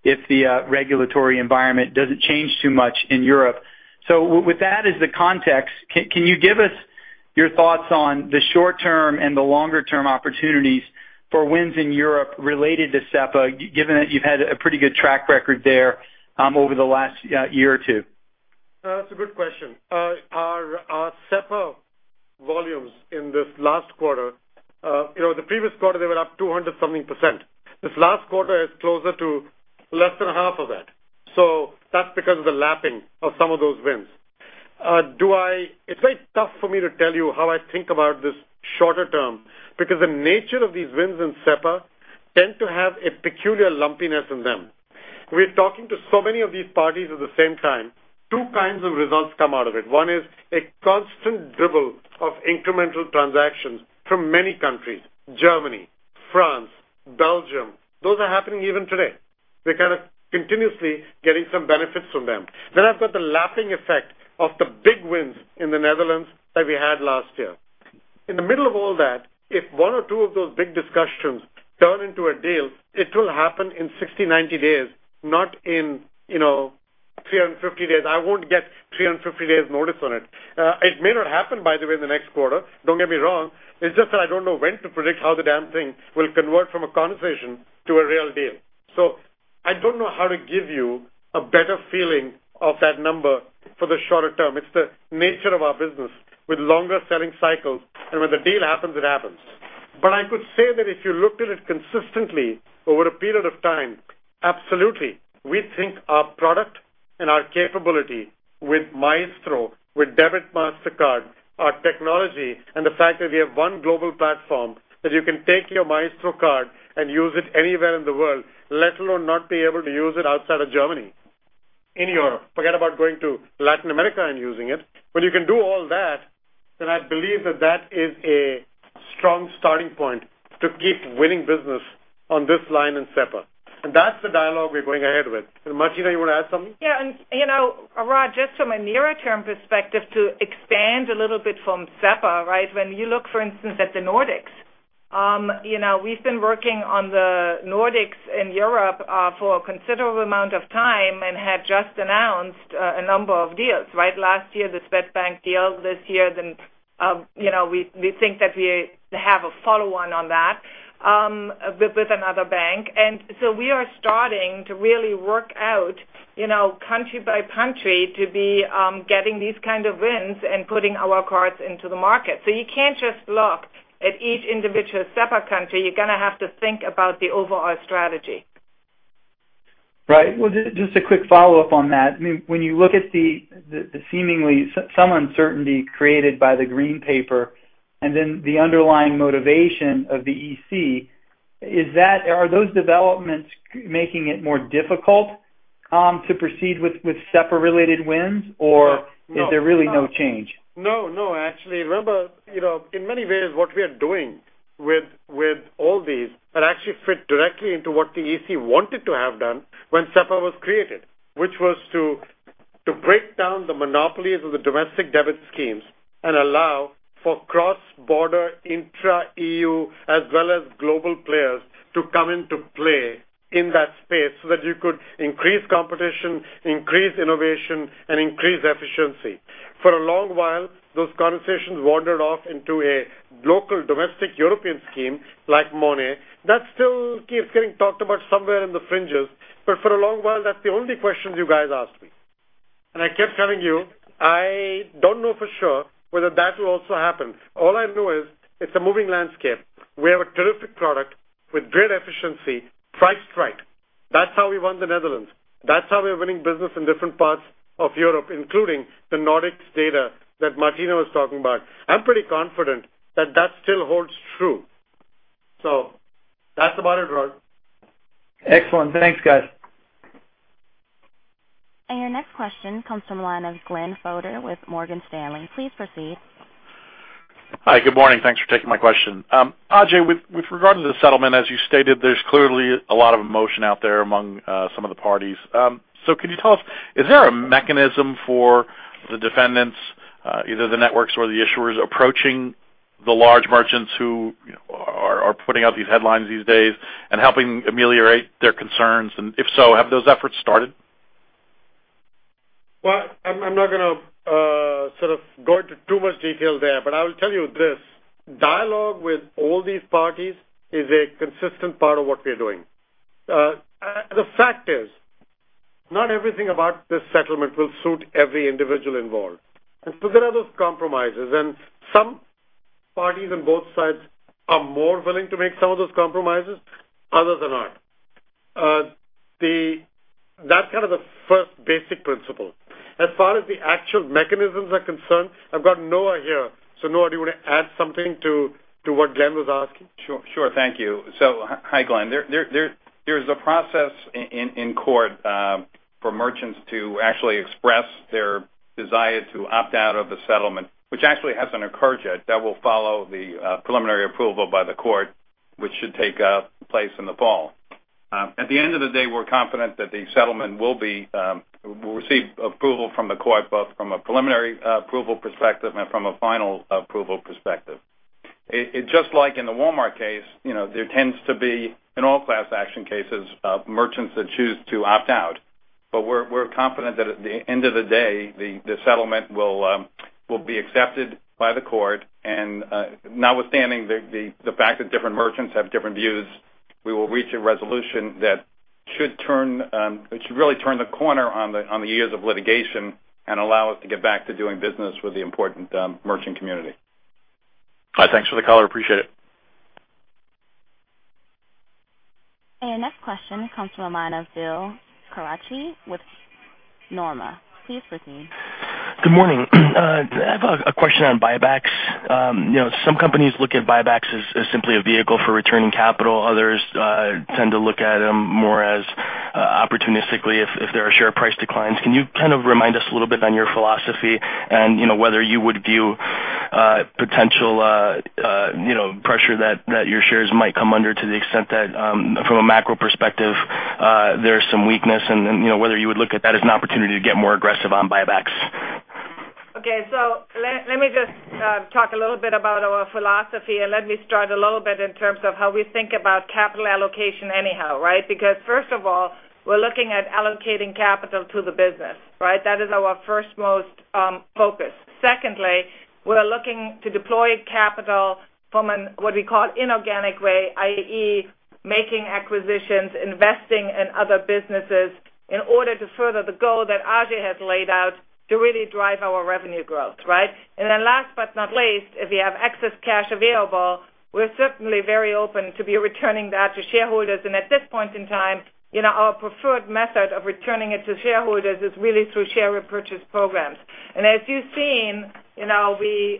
if the regulatory environment doesn't change too much in Europe. With that as the context, can you give us your thoughts on the short-term and the longer-term opportunities for wins in Europe related to SEPA, given that you've had a pretty good track record there over the last year or two? That's a good question. Our SEPA volumes in this last quarter, the previous quarter they were up 200 something %. This last quarter is closer to less than half of that. That's because of the lapping of some of those wins. It's very tough for me to tell you how I think about this shorter term because the nature of these wins in SEPA tend to have a peculiar lumpiness in them. We're talking to so many of these parties at the same time, two kinds of results come out of it. One is a constant dribble of incremental transactions from many countries, Germany, France, Belgium. Those are happening even today. We're kind of continuously getting some benefits from them. I've got the lapping effect of the big wins in the Netherlands that we had last year. In the middle of all that, if one or two of those big discussions turn into a deal, it will happen in 60, 90 days, not in 350 days. I won't get 350 days notice on it. It may not happen, by the way, in the next quarter. Don't get me wrong. It's just that I don't know when to predict how the damn thing will convert from a conversation to a real deal. I don't know how to give you a better feeling of that number for the shorter term. It's the nature of our business with longer selling cycles, when the deal happens, it happens. I could say that if you looked at it consistently over a period of time, absolutely, we think our product and our capability with Maestro, with Debit Mastercard, our technology, and the fact that we have one global platform that you can take your Maestro card and use it anywhere in the world, let alone not be able to use it outside of Germany, in Europe. Forget about going to Latin America and using it. When you can do all that, I believe that that is a strong starting point to keep winning business on this line in SEPA. That's the dialogue we're going ahead with. Martina, you want to add something? Yeah. Rod, just from a nearer-term perspective to expand a little bit from SEPA, when you look, for instance, at the Nordics, we've been working on the Nordics in Europe for a considerable amount of time and have just announced a number of deals. Last year, the Swedbank deal. This year, we think that we have a follow-on on that with another bank. We are starting to really work out country by country to be getting these kind of wins and putting our cards into the market. You can't just look at each individual SEPA country. You're going to have to think about the overall strategy. Well, just a quick follow-up on that. When you look at the seemingly some uncertainty created by the Green Paper and then the underlying motivation of the EC, are those developments making it more difficult to proceed with SEPA-related wins, or is there really no change? Actually, remember, in many ways, what we are doing with all these actually fit directly into what the EC wanted to have done when SEPA was created, which was to break down the monopolies of the domestic debit schemes and allow for cross-border intra-EU as well as global players to come into play in that space so that you could increase competition, increase innovation, and increase efficiency. For a long while, those conversations wandered off into a local domestic European scheme like Monnet. That still keeps getting talked about somewhere in the fringes, but for a long while, that's the only questions you guys asked me. I kept telling you, I don't know for sure whether that will also happen. All I know is it's a moving landscape. We have a terrific product with great efficiency, priced right. That's how we won the Netherlands. That's how we are winning business in different parts of Europe, including the Nordics data that Martina was talking about. I'm pretty confident that that still holds true. That's about it, Rod. Excellent. Thanks, guys. Your next question comes from the line of Glenn Fodor with Morgan Stanley. Please proceed. Hi. Good morning. Thanks for taking my question. Ajay, with regard to the settlement, as you stated, there's clearly a lot of emotion out there among some of the parties. Can you tell us, is there a mechanism for the defendants, either the networks or the issuers, approaching the large merchants who are putting out these headlines these days and helping ameliorate their concerns? If so, have those efforts started? Well, I'm not going to go into too much detail there, but I will tell you this. Dialogue with all these parties is a consistent part of what we are doing. The fact is, not everything about this settlement will suit every individual involved because there are those compromises, and some parties on both sides are more willing to make some of those compromises. Others are not. That's the first basic principle. As far as the actual mechanisms are concerned, I've got Noah here. Noah, do you want to add something to what Glenn was asking? Sure. Thank you. Hi, Glenn. There's a process in court for merchants to actually express their desire to opt out of the settlement, which actually hasn't occurred yet. That will follow the preliminary approval by the court, which should take place in the fall. At the end of the day, we're confident that the settlement will receive approval from the court, both from a preliminary approval perspective and from a final approval perspective. Just like in the Walmart case, there tends to be, in all class action cases, merchants that choose to opt out. We're confident that at the end of the day, the settlement will be accepted by the court, and notwithstanding the fact that different merchants have different views, we will reach a resolution that should really turn the corner on the years of litigation and allow us to get back to doing business with the important merchant community. Thanks for the call. I appreciate it. Your next question comes from the line of Bill Carcache with Nomura. Please proceed. Good morning. I have a question on buybacks. Some companies look at buybacks as simply a vehicle for returning capital. Others tend to look at them more opportunistically if there are share price declines. Can you remind us a little bit on your philosophy and whether you would view potential pressure that your shares might come under to the extent that from a macro perspective there's some weakness, and then whether you would look at that as an opportunity to get more aggressive on buybacks? Okay, let me just talk a little bit about our philosophy. Let me start a little bit in terms of how we think about capital allocation anyhow, right? First of all, we're looking at allocating capital to the business. That is our first most focus. Secondly, we're looking to deploy capital from what we call inorganic way, i.e., making acquisitions, investing in other businesses in order to further the goal that Ajay has laid out to really drive our revenue growth. Last but not least, if we have excess cash available, we're certainly very open to be returning that to shareholders. At this point in time, our preferred method of returning it to shareholders is really through share repurchase programs. As you've seen, we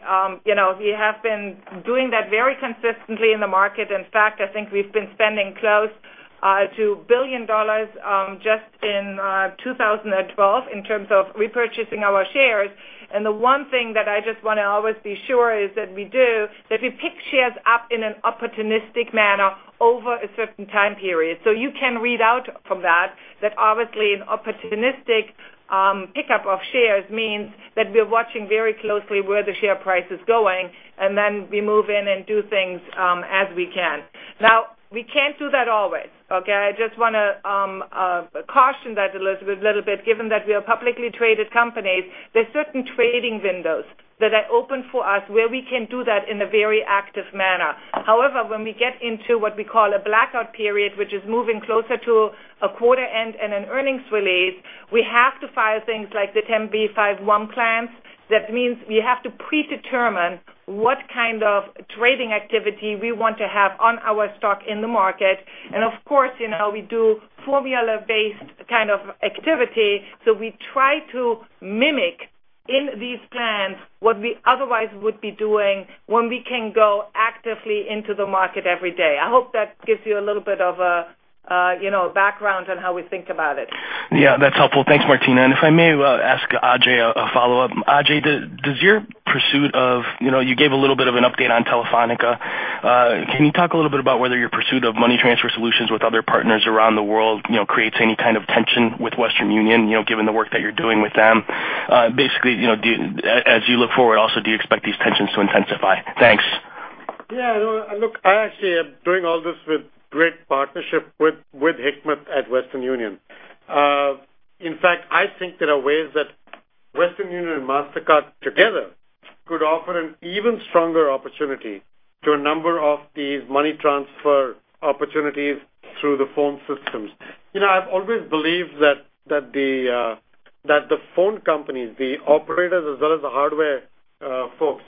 have been doing that very consistently in the market. In fact, I think we've been spending close to $1 billion just in 2012 in terms of repurchasing our shares. The one thing that I just want to always be sure is that we do pick shares up in an opportunistic manner over a certain time period. You can read out from that obviously an opportunistic pickup of shares means that we are watching very closely where the share price is going, we move in and do things as we can. We can't do that always, okay? I just want to caution that a little bit given that we are a publicly traded company. There are certain trading windows that are open for us where we can do that in a very active manner. However, when we get into what we call a blackout period, which is moving closer to a quarter end and an earnings release, we have to file things like the 10b5-1 plans. That means we have to predetermine what kind of trading activity we want to have on our stock in the market. Of course, we do formula-based kind of activity. We try to mimic in these plans, what we otherwise would be doing when we can go actively into the market every day. I hope that gives you a little bit of a background on how we think about it. Yeah, that's helpful. Thanks, Martina. If I may ask Ajay a follow-up. Ajay, you gave a little bit of an update on Telefónica. Can you talk a little bit about whether your pursuit of money transfer solutions with other partners around the world creates any kind of tension with Western Union, given the work that you're doing with them? Basically, as you look forward also, do you expect these tensions to intensify? Thanks. Yeah. Look, I actually am doing all this with great partnership with Hikmet at Western Union. In fact, I think there are ways that Western Union and Mastercard together could offer an even stronger opportunity to a number of these money transfer opportunities through the phone systems. I've always believed that the phone companies, the operators as well as the hardware folks,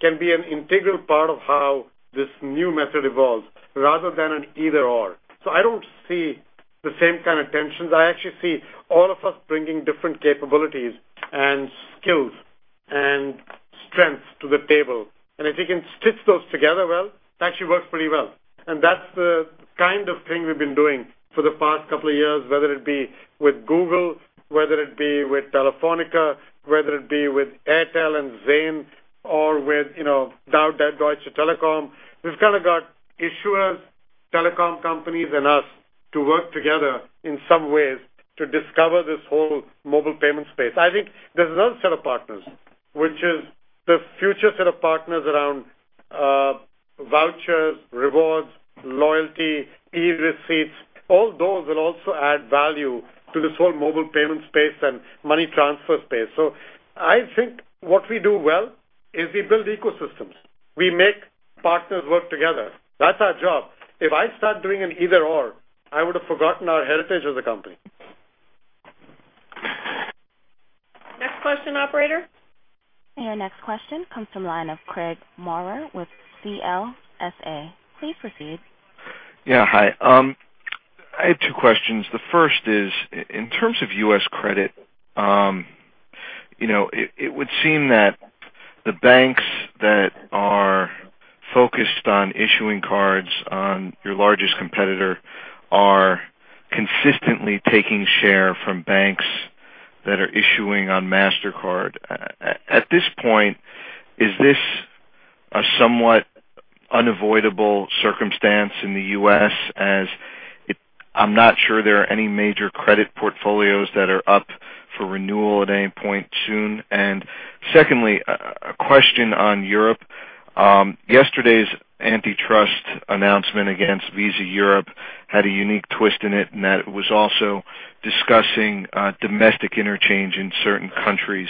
can be an integral part of how this new method evolves rather than an either/or. I don't see the same kind of tensions. I actually see all of us bringing different capabilities and skills and strengths to the table. If you can stitch those together well, it actually works pretty well. That's the kind of thing we've been doing for the past couple of years, whether it be with Google, whether it be with Telefónica, whether it be with Airtel and Zain or with Deutsche Telekom. We've kind of got issuers, telecom companies, and us to work together in some ways to discover this whole mobile payment space. I think there's another set of partners, which is the future set of partners around vouchers, rewards, loyalty, e-receipts. All those will also add value to this whole mobile payment space and money transfer space. I think what we do well is we build ecosystems. We make partners work together. That's our job. If I start doing an either/or, I would've forgotten our heritage as a company. Next question, operator. Your next question comes from the line of Craig Maurer with CLSA. Please proceed. Yeah. Hi. I have two questions. The first is, in terms of U.S. credit, it would seem that the banks that are focused on issuing cards on your largest competitor are consistently taking share from banks that are issuing on Mastercard. At this point, is this a somewhat unavoidable circumstance in the U.S. as I'm not sure there are any major credit portfolios that are up for renewal at any point soon? Secondly, a question on Europe. Yesterday's antitrust announcement against Visa Europe had a unique twist in it, in that it was also discussing domestic interchange in certain countries.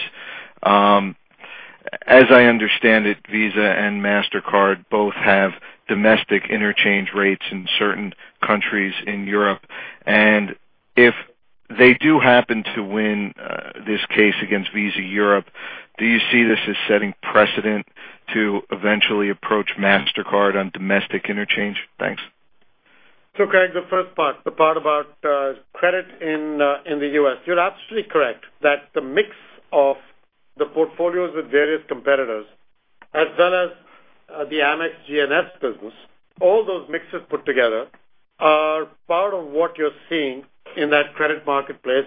As I understand it, Visa and Mastercard both have domestic interchange rates in certain countries in Europe. If they do happen to win this case against Visa Europe, do you see this as setting precedent to eventually approach Mastercard on domestic interchange? Thanks. Craig, the first part, the part about credit in the U.S. You're absolutely correct that the mix of the portfolios with various competitors, as well as the Amex GNS business, all those mixes put together are part of what you're seeing in that credit marketplace,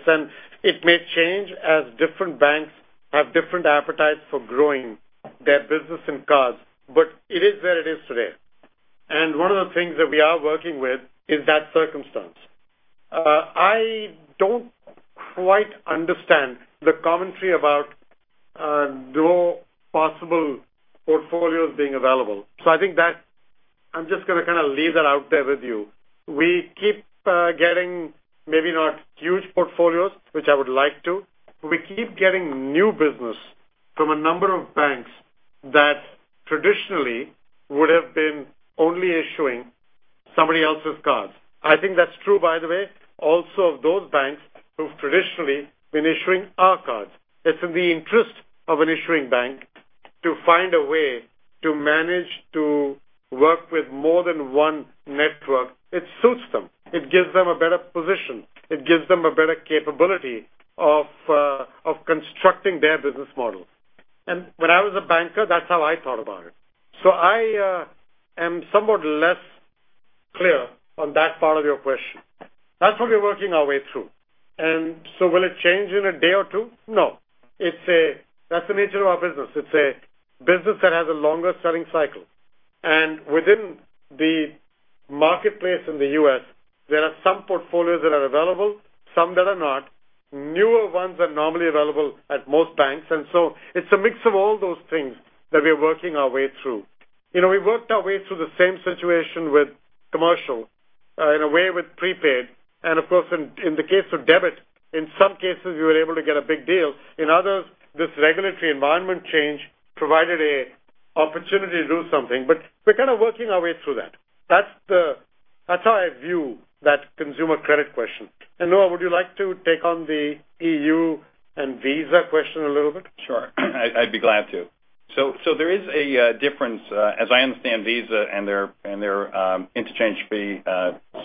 it may change as different banks have different appetites for growing their business and cards. It is where it is today. One of the things that we are working with is that circumstance. I don't quite understand the commentary about no possible portfolios being available. I think that I'm just going to kind of leave that out there with you. We keep getting maybe not huge portfolios, which I would like to. We keep getting new business from a number of banks that traditionally would've been only issuing somebody else's cards. I think that's true, by the way, also of those banks who've traditionally been issuing our cards. It's in the interest of an issuing bank to find a way to manage to work with more than one network. It suits them. It gives them a better position. It gives them a better capability of constructing their business model. When I was a banker, that's how I thought about it. I am somewhat less clear on that part of your question. That's what we're working our way through. Will it change in a day or two? No. That's the nature of our business. It's a business that has a longer selling cycle. Within the marketplace in the U.S., there are some portfolios that are available, some that are not. Newer ones are normally available at most banks. It's a mix of all those things that we are working our way through. We worked our way through the same situation with commercial, in a way with prepaid, and of course, in the case of debit, in some cases, we were able to get a big deal. In others, this regulatory environment change provided an opportunity to do something. We're kind of working our way through that. That's how I view that consumer credit question. Noah, would you like to take on the EU and Visa question a little bit? Sure. I'd be glad to There is a difference, as I understand Visa and their interchange fee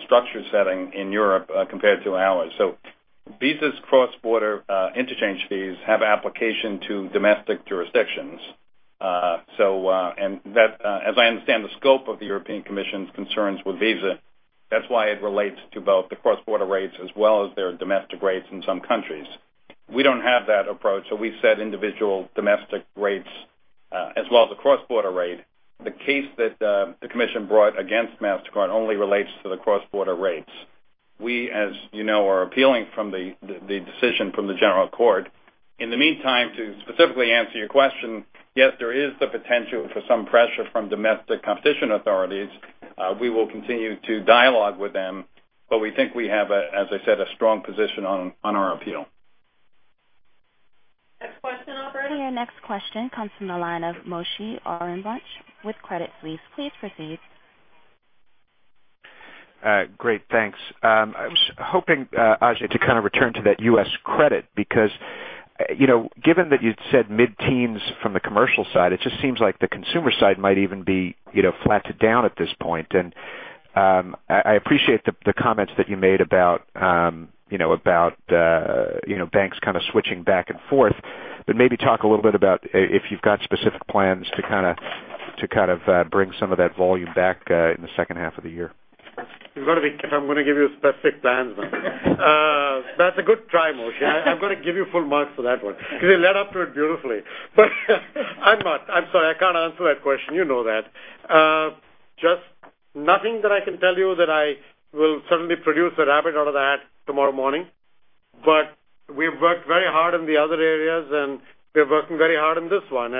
structure setting in Europe compared to ours. Visa's cross-border interchange fees have application to domestic jurisdictions. As I understand the scope of the European Commission's concerns with Visa, that's why it relates to both the cross-border rates as well as their domestic rates in some countries. We don't have that approach, so we set individual domestic rates as well as a cross-border rate. The case that the Commission brought against Mastercard only relates to the cross-border rates. We, as you know, are appealing from the decision from the general court. In the meantime, to specifically answer your question, yes, there is the potential for some pressure from domestic competition authorities. We will continue to dialogue with them, but we think we have, as I said, a strong position on our appeal. Next question, operator. Your next question comes from the line of Moshe Orenbuch with Credit Suisse. Please proceed. Great, thanks. I was hoping, Ajay, to kind of return to that U.S. credit because given that you'd said mid-teens from the commercial side, it just seems like the consumer side might even be flattened down at this point. I appreciate the comments that you made about banks kind of switching back and forth. Maybe talk a little bit about if you've got specific plans to kind of bring some of that volume back in the second half of the year. You've got to be kidding if I'm going to give you specific plans. That's a good try, Moshe. I'm going to give you full marks for that one because you led up to it beautifully. I'm not, I'm sorry, I can't answer that question. You know that. Just nothing that I can tell you that I will suddenly produce a rabbit out of the hat tomorrow morning. We've worked very hard in the other areas, we're working very hard on this one.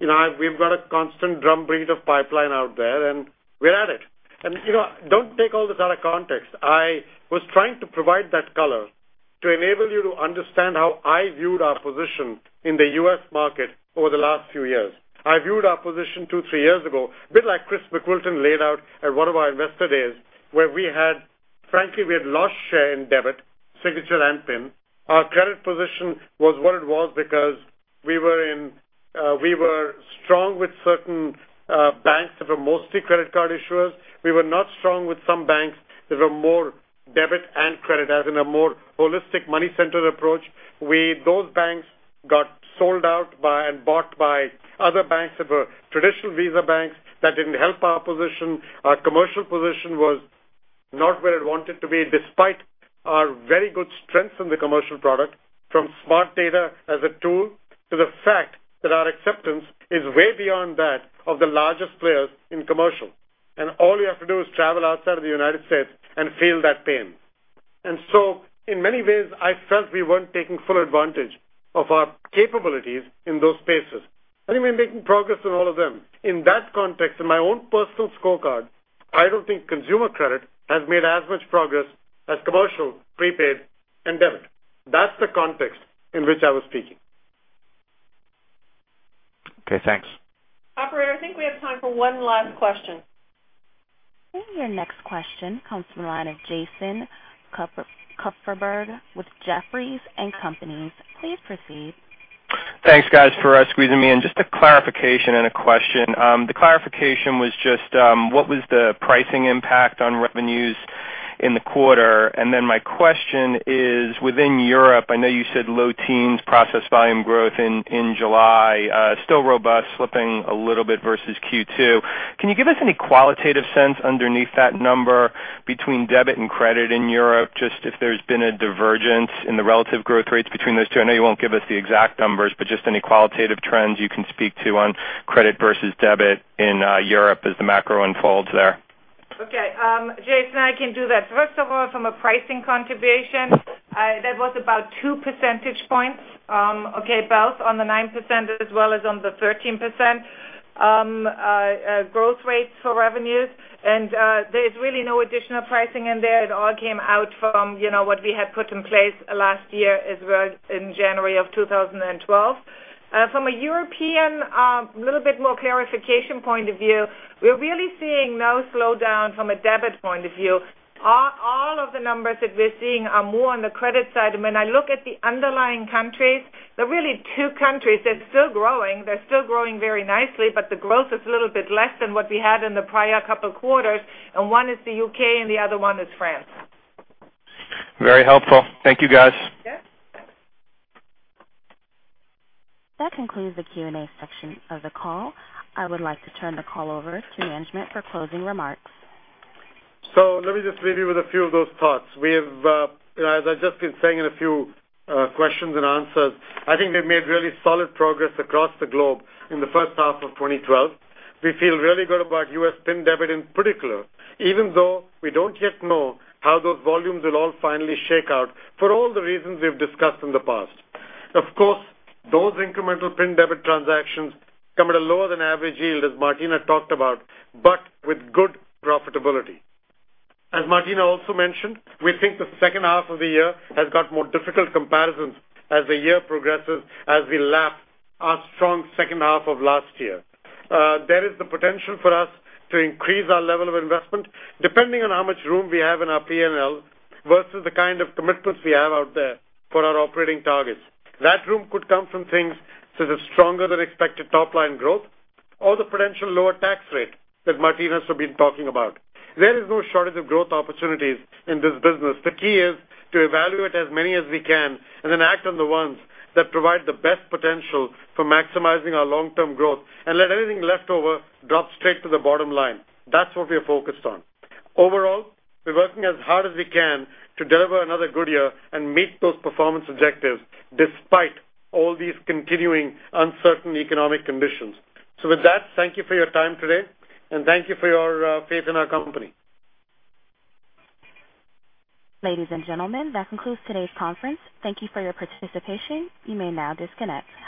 We've got a constant drumbeat of pipeline out there, we're at it. Don't take all this out of context. I was trying to provide that color to enable you to understand how I viewed our position in the U.S. market over the last few years. I viewed our position two, three years ago, a bit like Chris McWilton laid out at one of our Investor Days, where we had, frankly, we had lost share in debit, signature and PIN. Our credit position was what it was because we were strong with certain banks that were mostly credit card issuers. We were not strong with some banks that were more debit and credit, as in a more holistic, money-centered approach. Those banks got sold out by and bought by other banks that were traditional Visa banks. That didn't help our position. Our commercial position was not where it wanted to be, despite our very good strengths in the commercial product, from Smart Data as a tool to the fact that our acceptance is way beyond that of the largest players in commercial. All you have to do is travel outside of the United States and feel that pain. In many ways, I felt we weren't taking full advantage of our capabilities in those spaces. We've been making progress on all of them. In that context, in my own personal scorecard, I don't think consumer credit has made as much progress as commercial, prepaid, and debit. That's the context in which I was speaking. Okay, thanks. Operator, I think we have time for one last question. Your next question comes from the line of Jason Kupferberg with Jefferies & Company. Please proceed. Thanks, guys, for squeezing me in. Just a clarification and a question. The clarification was just what was the pricing impact on revenues in the quarter? My question is, within Europe, I know you said low teens process volume growth in July, still robust, slipping a little bit versus Q2. Can you give us any qualitative sense underneath that number between debit and credit in Europe, just if there's been a divergence in the relative growth rates between those two? I know you won't give us the exact numbers, but just any qualitative trends you can speak to on credit versus debit in Europe as the macro unfolds there. Okay. Jason, I can do that. First of all, from a pricing contribution, that was about two percentage points, both on the 9% as well as on the 13% growth rates for revenues. There's really no additional pricing in there. It all came out from what we had put in place last year as well in January of 2012. From a European, little bit more clarification point of view, we're really seeing no slowdown from a debit point of view. All of the numbers that we're seeing are more on the credit side. When I look at the underlying countries, there are really two countries that are still growing. They're still growing very nicely, but the growth is a little bit less than what we had in the prior couple of quarters. One is the U.K., and the other one is France. Very helpful. Thank you, guys. Yeah. That concludes the Q&A section of the call. I would like to turn the call over to management for closing remarks. Let me just leave you with a few of those thoughts. As I've just been saying in a few questions and answers, I think we've made really solid progress across the globe in the first half of 2012. We feel really good about U.S. PIN debit in particular, even though we don't yet know how those volumes will all finally shake out for all the reasons we've discussed in the past. Of course, those incremental PIN debit transactions come at a lower-than-average yield, as Martina talked about, but with good profitability. As Martina also mentioned, we think the second half of the year has got more difficult comparisons as the year progresses as we lap our strong second half of last year. There is the potential for us to increase our level of investment depending on how much room we have in our P&L versus the kind of commitments we have out there for our operating targets. That room could come from things such as stronger-than-expected top-line growth or the potential lower tax rate that Martina has been talking about. There is no shortage of growth opportunities in this business. The key is to evaluate as many as we can and then act on the ones that provide the best potential for maximizing our long-term growth and let anything left over drop straight to the bottom line. That's what we are focused on. Overall, we're working as hard as we can to deliver another good year and meet those performance objectives despite all these continuing uncertain economic conditions. With that, thank you for your time today, and thank you for your faith in our company. Ladies and gentlemen, that concludes today's conference. Thank you for your participation. You may now disconnect.